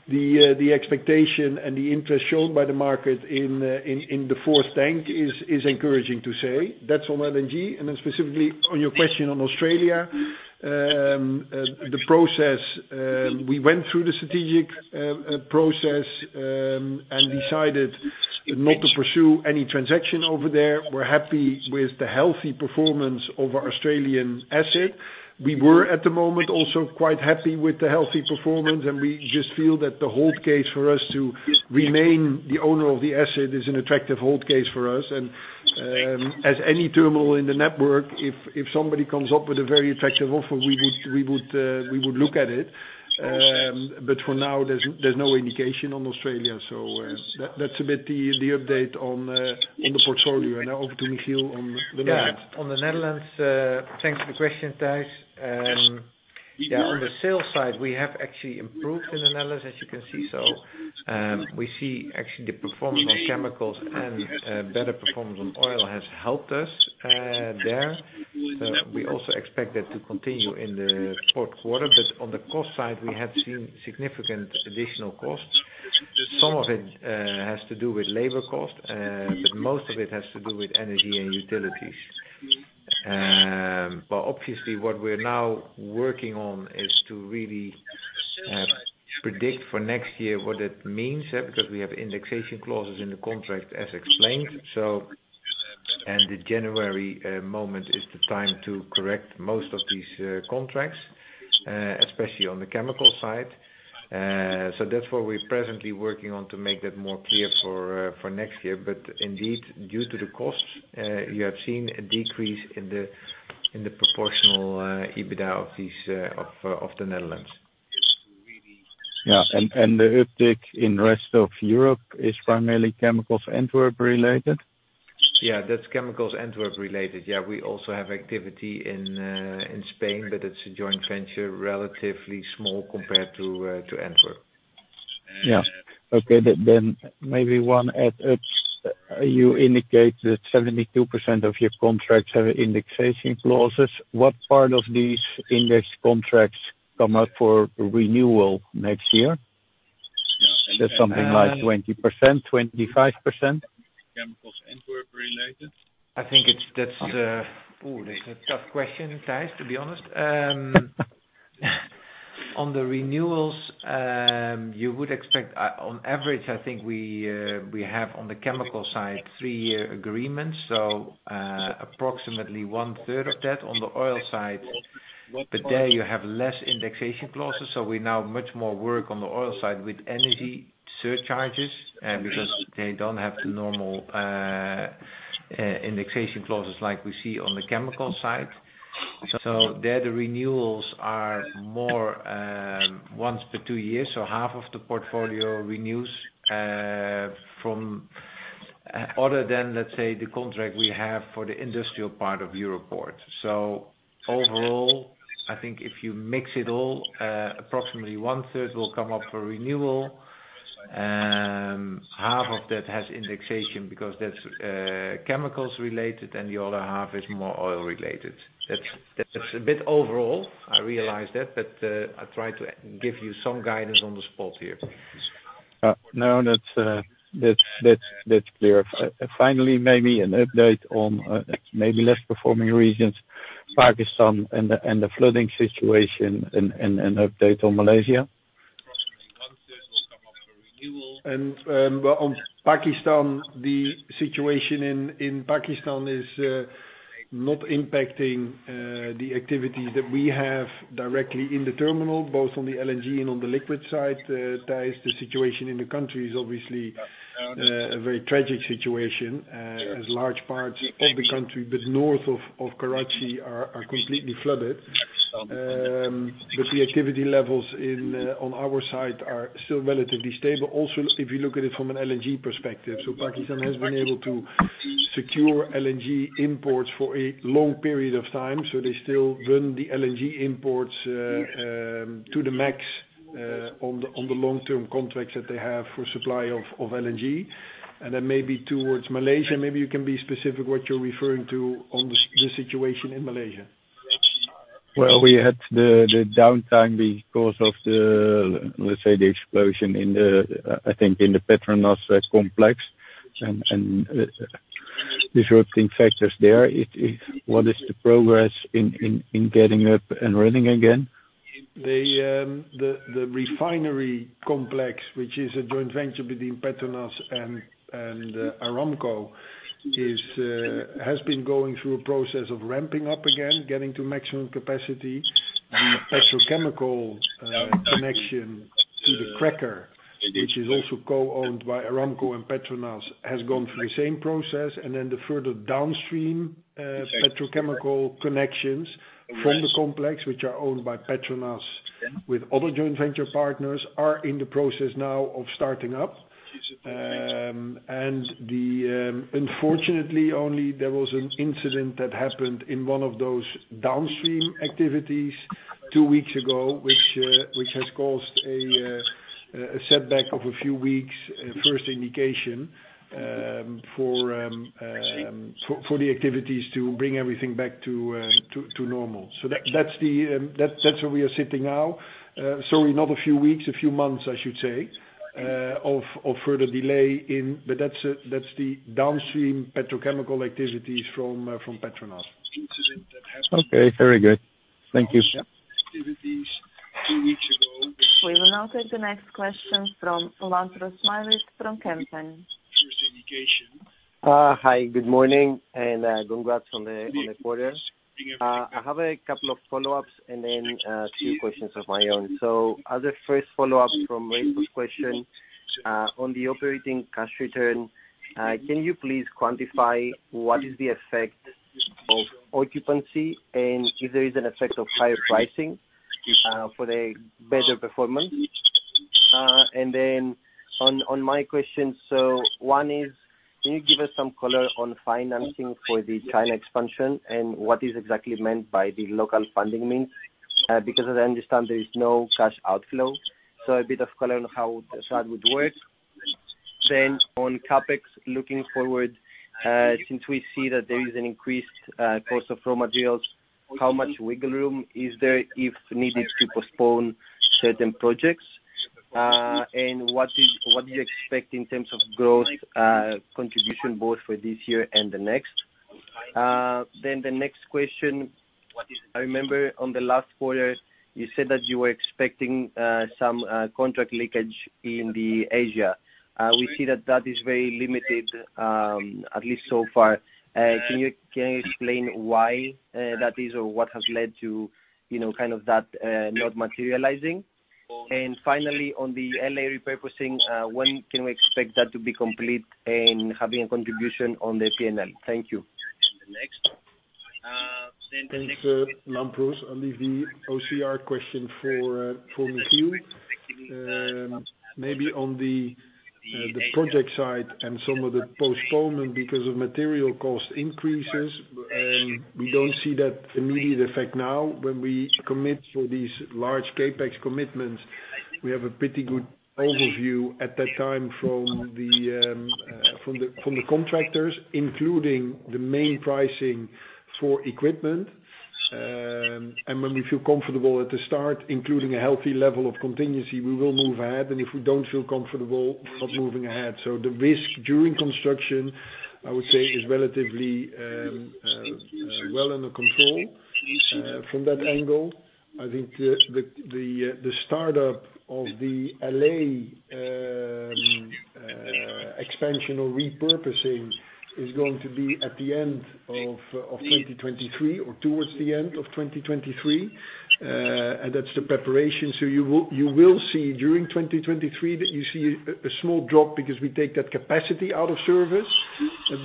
The expectation and the interest shown by the market in the fourth tank is encouraging to say. That's on LNG. Specifically on your question on Australia, we went through the strategic process and decided not to pursue any transaction over there. We're happy with the healthy performance of our Australian asset. We were, at the moment, also quite happy with the healthy performance, and we just feel that the hold case for us to remain the owner of the asset is an attractive hold case for us. As any terminal in the network, if somebody comes up with a very attractive offer, we would look at it. But for now, there's no indication on Australia. That's a bit the update on the portfolio. Now over to Michiel on the Netherlands. Yeah. On the Netherlands, thanks for the question, Thijs. Yeah, on the sales side, we have actually improved the Netherlands, as you can see. We see actually the performance on chemicals and better performance on oil has helped us there. We also expect that to continue in the fourth quarter. On the cost side, we have seen significant additional costs. Some of it has to do with labor cost, but most of it has to do with energy and utilities. Obviously what we're now working on is to really predict for next year what that means, because we have indexation clauses in the contract as explained. The January moment is the time to correct most of these contracts, especially on the chemical side. That's what we're presently working on to make that more clear for next year. Indeed, due to the costs, you have seen a decrease in the proportional EBITDA of the Netherlands. Yeah. The uptick in rest of Europe is primarily chemicals Antwerp related? Yeah, that's chemicals Antwerp related. Yeah. We also have activity in Spain, but it's a joint venture, relatively small compared to Antwerp. Yeah. Okay. Maybe one add-on. You indicate that 72% of your contracts have indexation clauses. What part of these index contracts come up for renewal next year? Just something like 20%, 25%? I think that's a tough question, Thijs, to be honest. On the renewals, you would expect, on average, I think we have on the chemical side three-year agreements, so approximately one third of that. On the oil side, today you have less indexation clauses, so we now do much more work on the oil side with energy surcharges, because they don't have the normal indexation clauses like we see on the chemical side. There, the renewals are more once per two years, so half of the portfolio renews from other than, let's say, the contract we have for the industrial part of Europoort. Overall, I think if you mix it all, approximately one third will come up for renewal. Half of that has indexation because that's chemicals related and the other half is more oil related. That's a bit overall, I realize that, but I try to give you some guidance on the spot here. No, that's clear. Finally, maybe an update on maybe less performing regions, Pakistan and the flooding situation, and update on Malaysia. On Pakistan, the situation in Pakistan is not impacting the activities that we have directly in the terminal, both on the LNG and on the liquid side. Thijs, the situation in the country is obviously a very tragic situation, as large parts of the country, but north of Karachi are completely flooded. The activity levels in on our side are still relatively stable. Also, if you look at it from an LNG perspective, so Pakistan has been able to secure LNG imports for a long period of time, so they still run the LNG imports to the max on the long-term contracts that they have for supply of LNG. Then maybe towards Malaysia, maybe you can be specific what you're referring to on the situation in Malaysia. Well, we had the downtime because of, let's say, the explosion in, I think, the PETRONAS complex and disrupting factors there. What is the progress in getting up and running again? The refinery complex, which is a joint venture between PETRONAS and Aramco, has been going through a process of ramping up again, getting to maximum capacity. The petrochemical connection to the cracker, which is also co-owned by Aramco and PETRONAS, has gone through the same process. Then the further downstream petrochemical connections from the complex, which are owned by PETRONAS with other joint venture partners, are in the process now of starting up. Unfortunately, only there was an incident that happened in one of those downstream activities two weeks ago, which has caused a setback of a few weeks, first indication, for the activities to bring everything back to normal. That's where we are sitting now. Another few weeks, a few months, I should say, of further delay. That's the downstream petrochemical activities from PETRONAS. Okay. Very good. Thank you. We will now take the next question from Lampros Smailis from Kempen. Hi, good morning and congrats on the quarter. I have a couple of follow-ups and then two questions of my own. As a first follow-up from David Kerstens's question, on the operating cash return, can you please quantify what is the effect of occupancy and if there is an effect of higher pricing for the better performance? And then on my question, one is, can you give us some color on financing for the China expansion and what is exactly meant by the local funding means? Because as I understand, there is no cash outflow. A bit of color on how that would work. On CapEx, looking forward, since we see that there is an increased cost of raw materials, how much wiggle room is there if needed to postpone certain projects? What do you expect in terms of growth contribution both for this year and the next? The next question. I remember on the last quarter, you said that you were expecting some contract leakage in Asia. We see that is very limited, at least so far. Can you explain why that is or what has led to, you know, kind of that not materializing? Finally, on the L.A. repurposing, when can we expect that to be complete and having a contribution on the P&L? Thank you. Thanks, Lampros. I'll leave the OCR question for Michiel. Maybe on the project side and some of the postponement because of material cost increases, we don't see that immediate effect now. When we commit for these large CapEx commitments, we have a pretty good overview at that time from the contractors, including the main pricing for equipment. When we feel comfortable at the start, including a healthy level of contingency, we will move ahead. If we don't feel comfortable, not moving ahead. The risk during construction, I would say, is relatively well under control from that angle. I think the startup of the L.A. expansion or repurposing is going to be at the end of 2023 or towards the end of 2023. That's the preparation. You will see during 2023 that you see a small drop because we take that capacity out of service.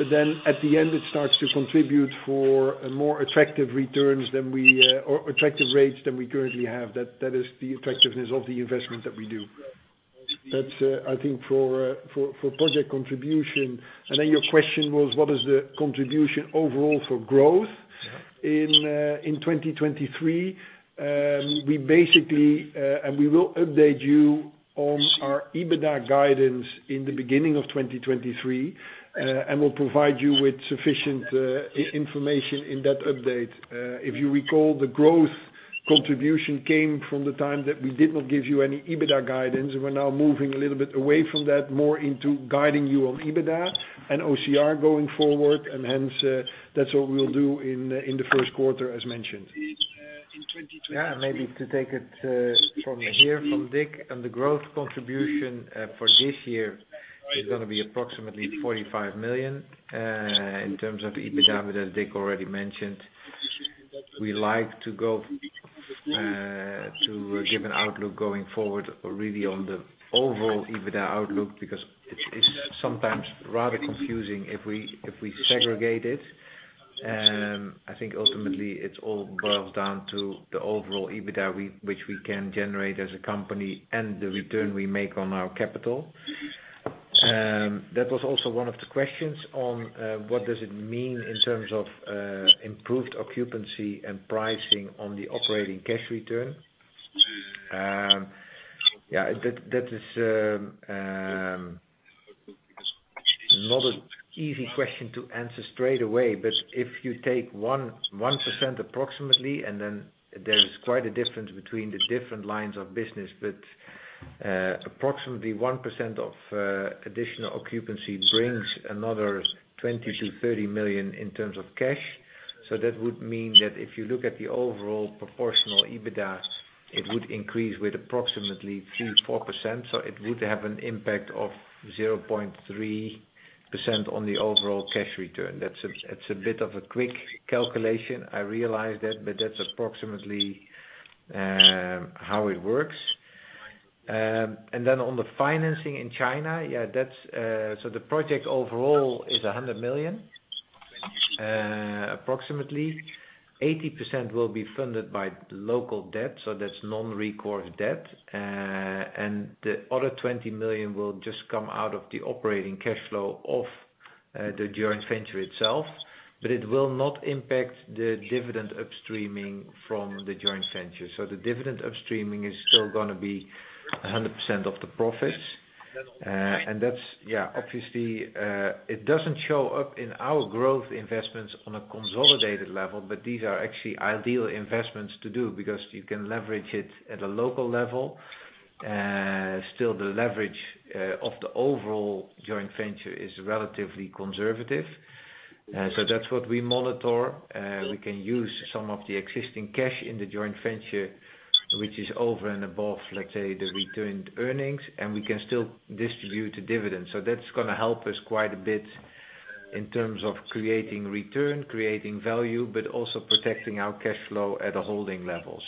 Then at the end, it starts to contribute for a more attractive returns than we or attractive rates than we currently have. That is the attractiveness of the investment that we do. That's, I think, for project contribution. Then your question was what is the contribution overall for growth in 2023? We basically and we will update you on our EBITDA guidance in the beginning of 2023, and we'll provide you with sufficient information in that update. If you recall, the growth contribution came from the time that we did not give you any EBITDA guidance. We're now moving a little bit away from that, more into guiding you on EBITDA and OCR going forward. Hence, that's what we'll do in the first quarter, as mentioned. Yeah. Maybe to take it from here, from Dick. On the growth contribution for this year is gonna be approximately 45 million. In terms of EBITDA, as Dick already mentioned, we like to go. To give an outlook going forward really on the overall EBITDA outlook, because it's sometimes rather confusing if we segregate it. I think ultimately it all boils down to the overall EBITDA which we can generate as a company and the return we make on our capital. That was also one of the questions on what does it mean in terms of improved occupancy and pricing on the operating cash return. Yeah, that is not an easy question to answer straight away, but if you take 1% approximately, and then there is quite a difference between the different lines of business. Approximately 1% of additional occupancy brings another 20 million-30 million in terms of cash. That would mean that if you look at the overall proportional EBITDA, it would increase with approximately 3-4%. It would have an impact of 0.3% on the overall cash return. That's a bit of a quick calculation. I realize that, but that's approximately how it works. And then on the financing in China, the project overall is 100 million approximately. 80% will be funded by local debt, so that's non-recourse debt. And the other 20 million will just come out of the operating cash flow of the joint venture itself. But it will not impact the dividend upstreaming from the joint venture. The dividend upstreaming is still gonna be 100% of the profits. That's, yeah, obviously, it doesn't show up in our growth investments on a consolidated level, but these are actually ideal investments to do because you can leverage it at a local level. Still the leverage of the overall joint venture is relatively conservative. That's what we monitor. We can use some of the existing cash in the joint venture, which is over and above, let's say, the returned earnings, and we can still distribute the dividends. That's gonna help us quite a bit in terms of creating return, creating value, but also protecting our cash flow at a holding level.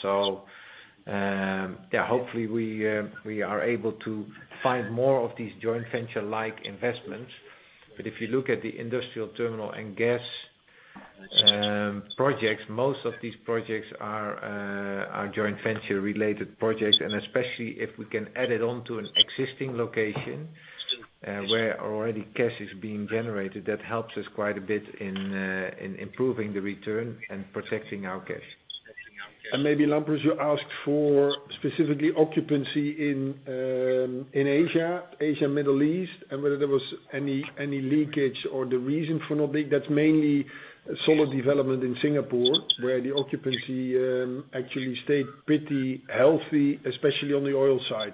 Hopefully we are able to find more of these joint venture-like investments. If you look at the industrial terminal and gas projects, most of these projects are joint venture related projects, and especially if we can add it on to an existing location, where already gas is being generated, that helps us quite a bit in improving the return and protecting our cash. Maybe, Lampros, you asked for specifically occupancy in Asia, Middle East, and whether there was any leakage or the reason for not being. That's mainly a solid development in Singapore, where the occupancy actually stayed pretty healthy, especially on the oil side.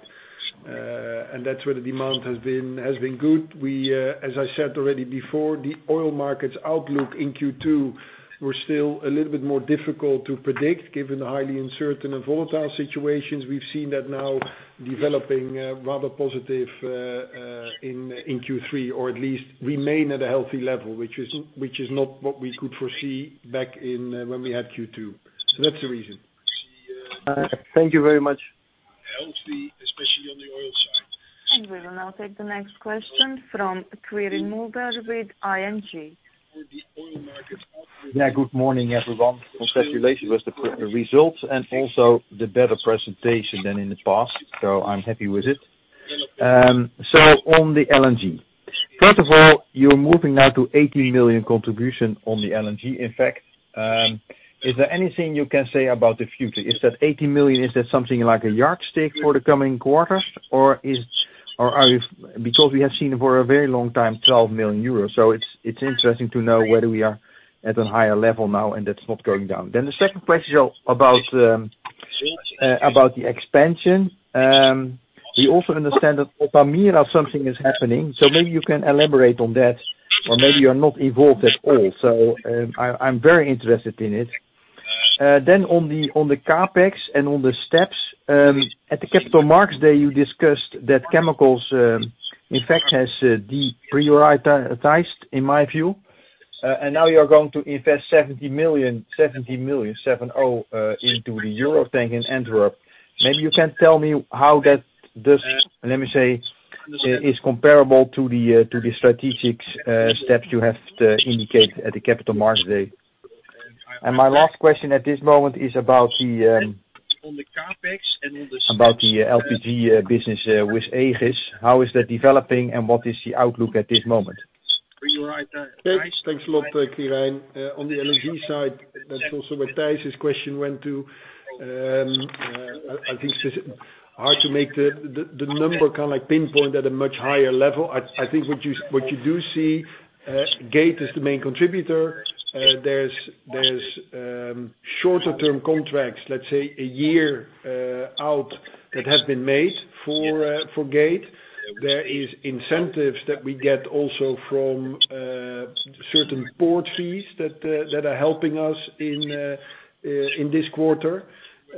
That's where the demand has been good. We, as I said already before, the oil markets outlook in Q2 were still a little bit more difficult to predict, given the highly uncertain and volatile situations. We've seen that now developing rather positive in Q3, or at least remain at a healthy level, which is not what we could foresee back in when we had Q2. That's the reason. Thank you very much. We will now take the next question from Quirijn Mulder with ING. Yeah. Good morning, everyone. Congratulations with the results and also the better presentation than in the past, so I'm happy with it. On the LNG. First of all, you're moving now to 80 million contribution on the LNG effect. Is there anything you can say about the future? Is that 80 million, is that something like a yardstick for the coming quarters, or are you? Because we have seen for a very long time 12 million euros. It's interesting to know whether we are at a higher level now and that's not going down. The second question about about the expansion. We also understand that with Altamira something is happening, so maybe you can elaborate on that, or maybe you're not involved at all. I'm very interested in it. Then on the CapEx and on the steps at the Capital Markets Day, you discussed that chemical sector has deprioritized, in my view. Now you're going to invest 70 million into the Eurotank in Antwerp. Maybe you can tell me how that, let me say, is comparable to the strategic steps you have to indicate at the Capital Markets Day. My last question at this moment is about the LPG business with Aegis. How is that developing and what is the outlook at this moment? Okay. Thanks a lot, Quirijn. On the LNG side, that's also where Thijs's question went to. I think it's hard to make the number kinda like pinpoint at a much higher level. I think what you do see, Gate is the main contributor. There's shorter term contracts, let's say, a year out that has been made for Gate. There is incentives that we get also from certain port fees that are helping us in this quarter,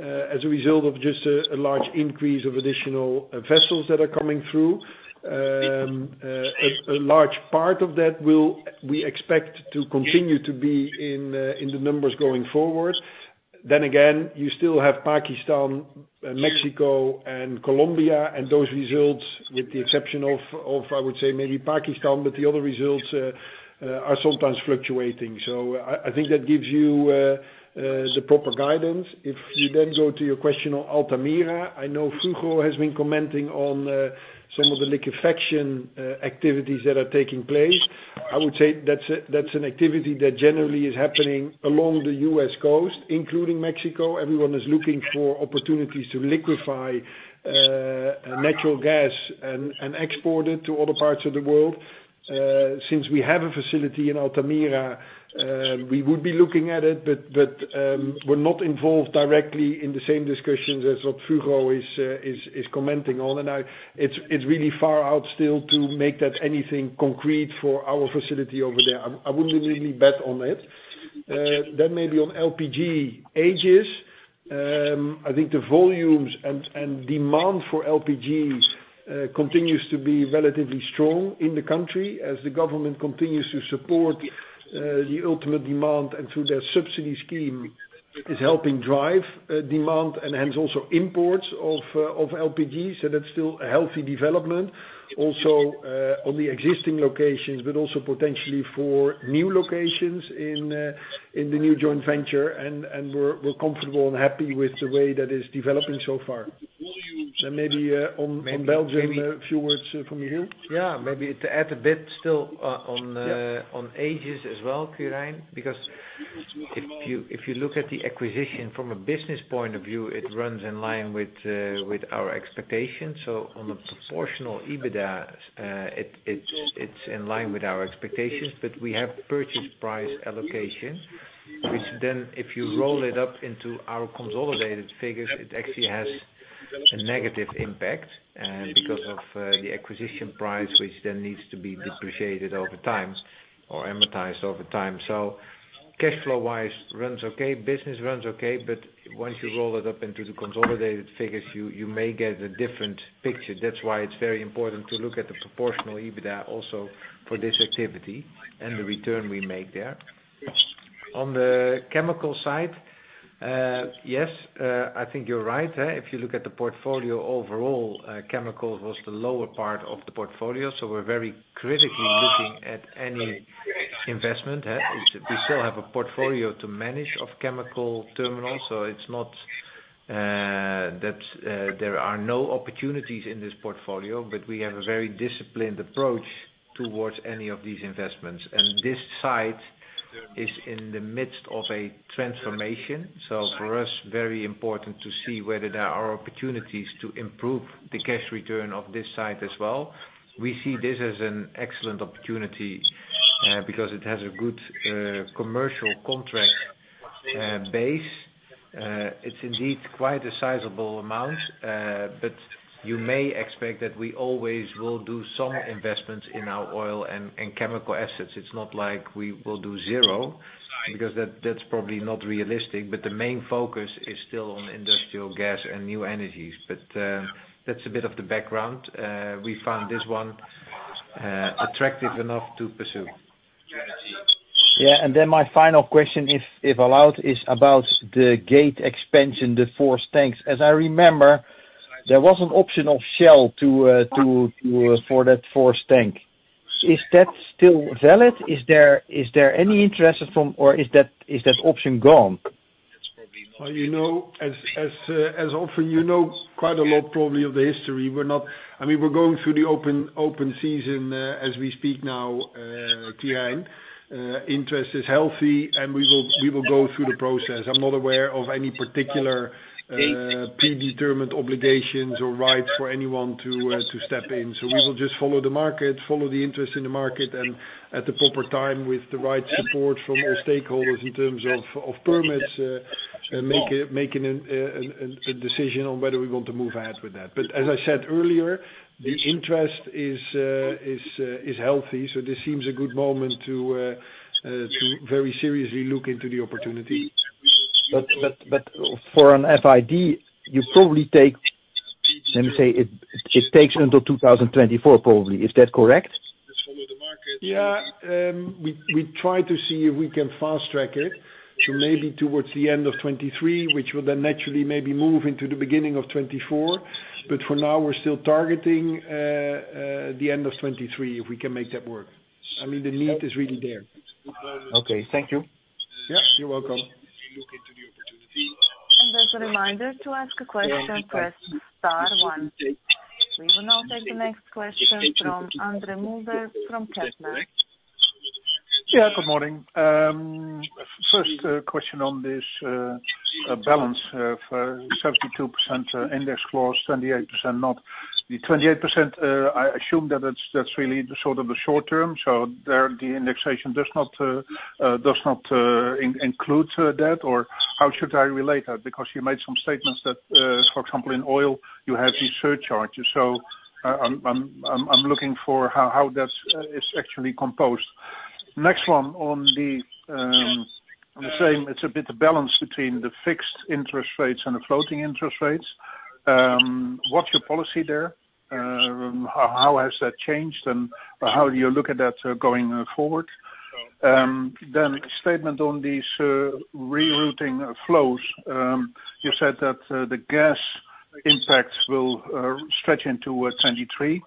as a result of just a large increase of additional vessels that are coming through. A large part of that will, we expect, to continue to be in the numbers going forward. You still have Pakistan, Mexico, and Colombia, and those results, with the exception of, I would say maybe Pakistan, but the other results are sometimes fluctuating. I think that gives you the proper guidance. If you then go to your question on Altamira, I know [Fruco] has been commenting on some of the liquefaction activities that are taking place. I would say that's an activity that generally is happening along the U.S. coast, including Mexico. Everyone is looking for opportunities to liquefy natural gas and export it to other parts of the world. Since we have a facility in Altamira, we would be looking at it, but we're not involved directly in the same discussions as what Fruco is commenting on. It's really far out still to make that anything concrete for our facility over there. I wouldn't really bet on it. Maybe on LPG Aegis. I think the volumes and demand for LPG continues to be relatively strong in the country as the government continues to support the ultimate demand, and through their subsidy scheme is helping drive demand and hence also imports of LPG. That's still a healthy development. Also, on the existing locations, but also potentially for new locations in the new joint venture and we're comfortable and happy with the way that is developing so far. Maybe, on Belgium, a few words from you. Maybe to add a bit still on Aegis as well, Quirijn. Because if you look at the acquisition from a business point of view, it runs in line with our expectations. On a proportional EBITDA, it's in line with our expectations. We have purchase price allocations, which then, if you roll it up into our consolidated figures, it actually has a negative impact, because of the acquisition price, which then needs to be depreciated over time or amortized over time. Cash flow wise, runs okay, business runs okay, but once you roll it up into the consolidated figures, you may get a different picture. That's why it's very important to look at the proportional EBITDA also for this activity and the return we make there. On the chemical side, yes, I think you're right. If you look at the portfolio overall, chemicals was the lower part of the portfolio, so we're very critically looking at any investment. We still have a portfolio to manage of chemical terminals, so it's not that there are no opportunities in this portfolio, but we have a very disciplined approach towards any of these investments. This site is in the midst of a transformation. For us, very important to see whether there are opportunities to improve the cash return of this site as well. We see this as an excellent opportunity, because it has a good commercial contract base. It's indeed quite a sizable amount, but you may expect that we always will do some investments in our oil and chemical assets. It's not like we will do zero because that's probably not realistic. The main focus is still on industrial gas and new energies. That's a bit of the background. We found this one attractive enough to pursue. Yeah. My final question, if allowed, is about the Gate expansion, the four tanks. As I remember, there was an option of Shell to for that fourth tank. Is that still valid? Is there any interest from, or is that option gone? You know, as often, you know, quite a lot probably of the history, I mean, we're going through the open season as we speak now, Quirijn. Interest is healthy, and we will go through the process. I'm not aware of any particular predetermined obligations or rights for anyone to step in. We will just follow the market, follow the interest in the market, and at the proper time, with the right support from all stakeholders in terms of permits, make a decision on whether we want to move ahead with that. As I said earlier, the interest is healthy, so this seems a good moment to very seriously look into the opportunity. Let me say, it takes until 2024, probably. Is that correct? Yeah. We try to see if we can fast track it to maybe towards the end of 2023, which will then naturally maybe move into the beginning of 2024. For now, we're still targeting the end of 2023, if we can make that work. I mean, the need is really there. Okay. Thank you. Yeah, you're welcome. As a reminder, to ask a question, press star one. We will now take the next question from Andre Mulder from Kepler. Yeah. Good morning. First question on this balance for 72% index clause, 28% not. The 28%, I assume that's really the sort of short term, so there, the indexation does not include that or how should I relate that? Because you made some statements that for example in oil you have these surcharges. So I'm looking for how that's actually composed. Next one, on the same, it's a bit of balance between the fixed interest rates and the floating interest rates. What's your policy there? How has that changed, and how do you look at that going forward? Then statement on these rerouting flows. You said that the gas impacts will stretch into 2023.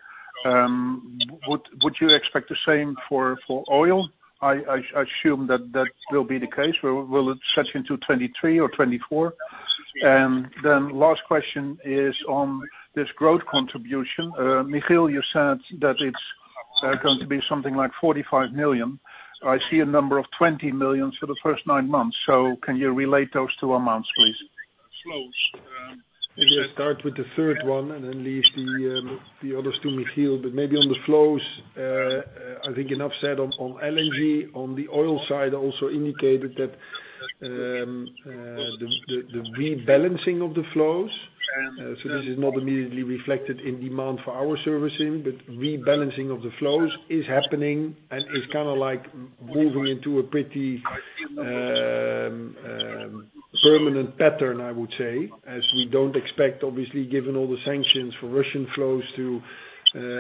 Would you expect the same for oil? I assume that will be the case. Will it stretch into 2023 or 2024? Then last question is on this growth contribution. Michiel, you said that it's going to be something like 45 million. I see a number of 20 million for the first nine months. Can you relate those two amounts, please? Flows. Maybe I start with the third one and then leave the other to Michiel, but maybe on the flows, I think enough said on LNG. On the oil side, also indicated that the rebalancing of the flows, so this is not immediately reflected in demand for our services, but rebalancing of the flows is happening and is kinda like moving into a pretty permanent pattern, I would say. As we don't expect, obviously, given all the sanctions for Russian flows to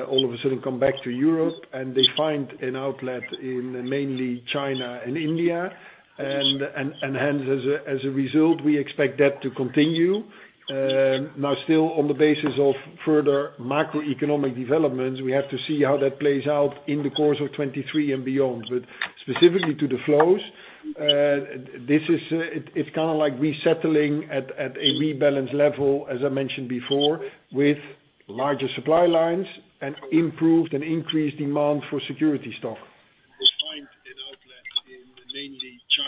all of a sudden come back to Europe, and they find an outlet in mainly China and India. Hence, as a result, we expect that to continue. Now, still on the basis of further macroeconomic developments, we have to see how that plays out in the course of 2023 and beyond. Specifically to the flows, it's kinda like resettling at a rebalance level, as I mentioned before, with larger supply lines and improved and increased demand for security stock.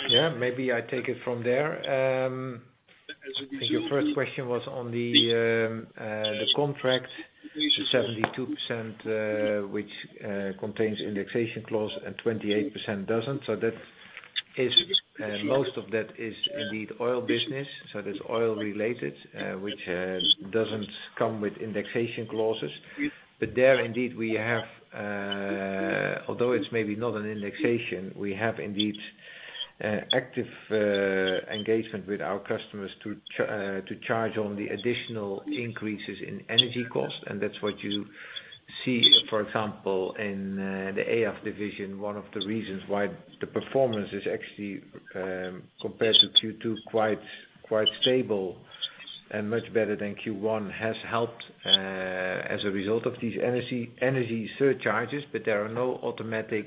Yeah, maybe I take it from there. I think your first question was on the contract. It's 72%, which contains indexation clause and 28% doesn't. That is, most of that is indeed oil business. That's oil related, which doesn't come with indexation clauses. There indeed we have, although it's maybe not an indexation, we have indeed active engagement with our customers to charge on the additional increases in energy costs. That's what you see, for example, in the AF division. One of the reasons why the performance is actually compared to Q2 quite stable and much better than Q1 has helped as a result of these energy surcharges. There are no automatic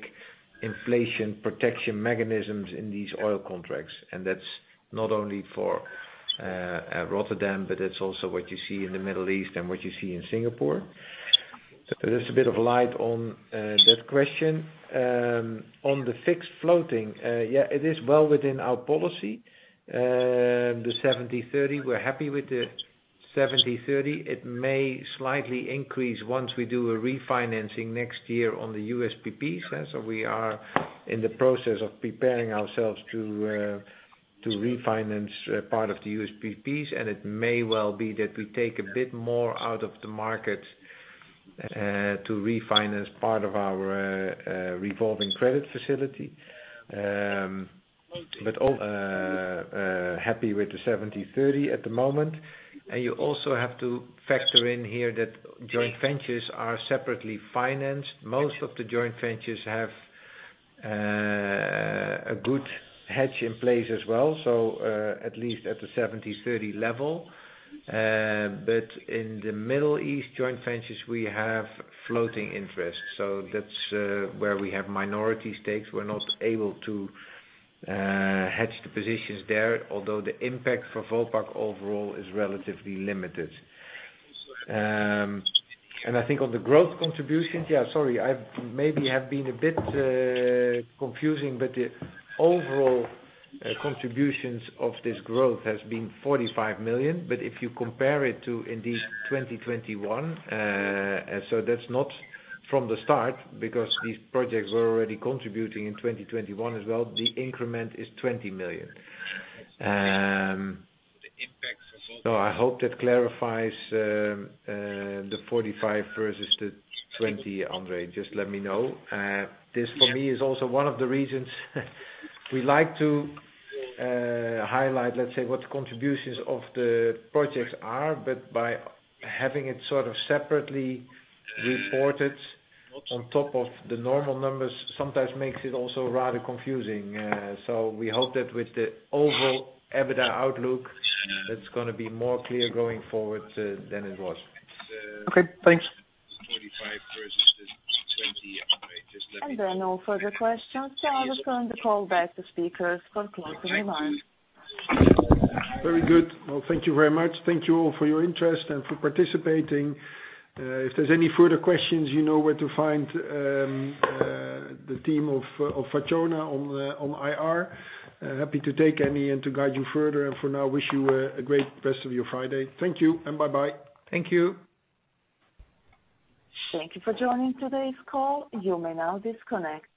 inflation protection mechanisms in these oil contracts. That's not only for Rotterdam, but it's also what you see in the Middle East and what you see in Singapore. There's a bit of light on that question. On the fixed floating, yeah, it is well within our policy. The 70/30, we're happy with the 70/30. It may slightly increase once we do a refinancing next year on the USPPs. We are in the process of preparing ourselves to refinance part of the USPPs, and it may well be that we take a bit more out of the market to refinance part of our revolving credit facility. All happy with the 70/30 at the moment. You also have to factor in here that joint ventures are separately financed. Most of the joint ventures have a good hedge in place as well. At least at the 70/30 level. In the Middle East joint ventures we have floating interest, so that's where we have minority stakes. We're not able to hedge the positions there, although the impact for Vopak overall is relatively limited. I think on the growth contributions, sorry, I've maybe been a bit confusing, but the overall contributions of this growth has been 45 million. If you compare it to indeed 2021, that's not from the start because these projects were already contributing in 2021 as well. The increment is 20 million. I hope that clarifies the 45 versus the 20, André. Just let me know. This for me is also one of the reasons we like to highlight, let's say, what the contributions of the projects are, but by having it sort of separately reported on top of the normal numbers sometimes makes it also rather confusing. We hope that with the overall EBITDA outlook, it's gonna be more clear going forward than it was. Okay, thanks. There are no further questions. Now I'll just gonna call back the speakers for closing remarks. Thank you. Very good. Well, thank you very much. Thank you all for your interest and for participating. If there's any further questions, you know where to find the team of Fatjona Topciu on IR. Happy to take any and to guide you further. For now, wish you a great rest of your Friday. Thank you and bye-bye. Thank you. Thank you for joining today's call. You may now disconnect.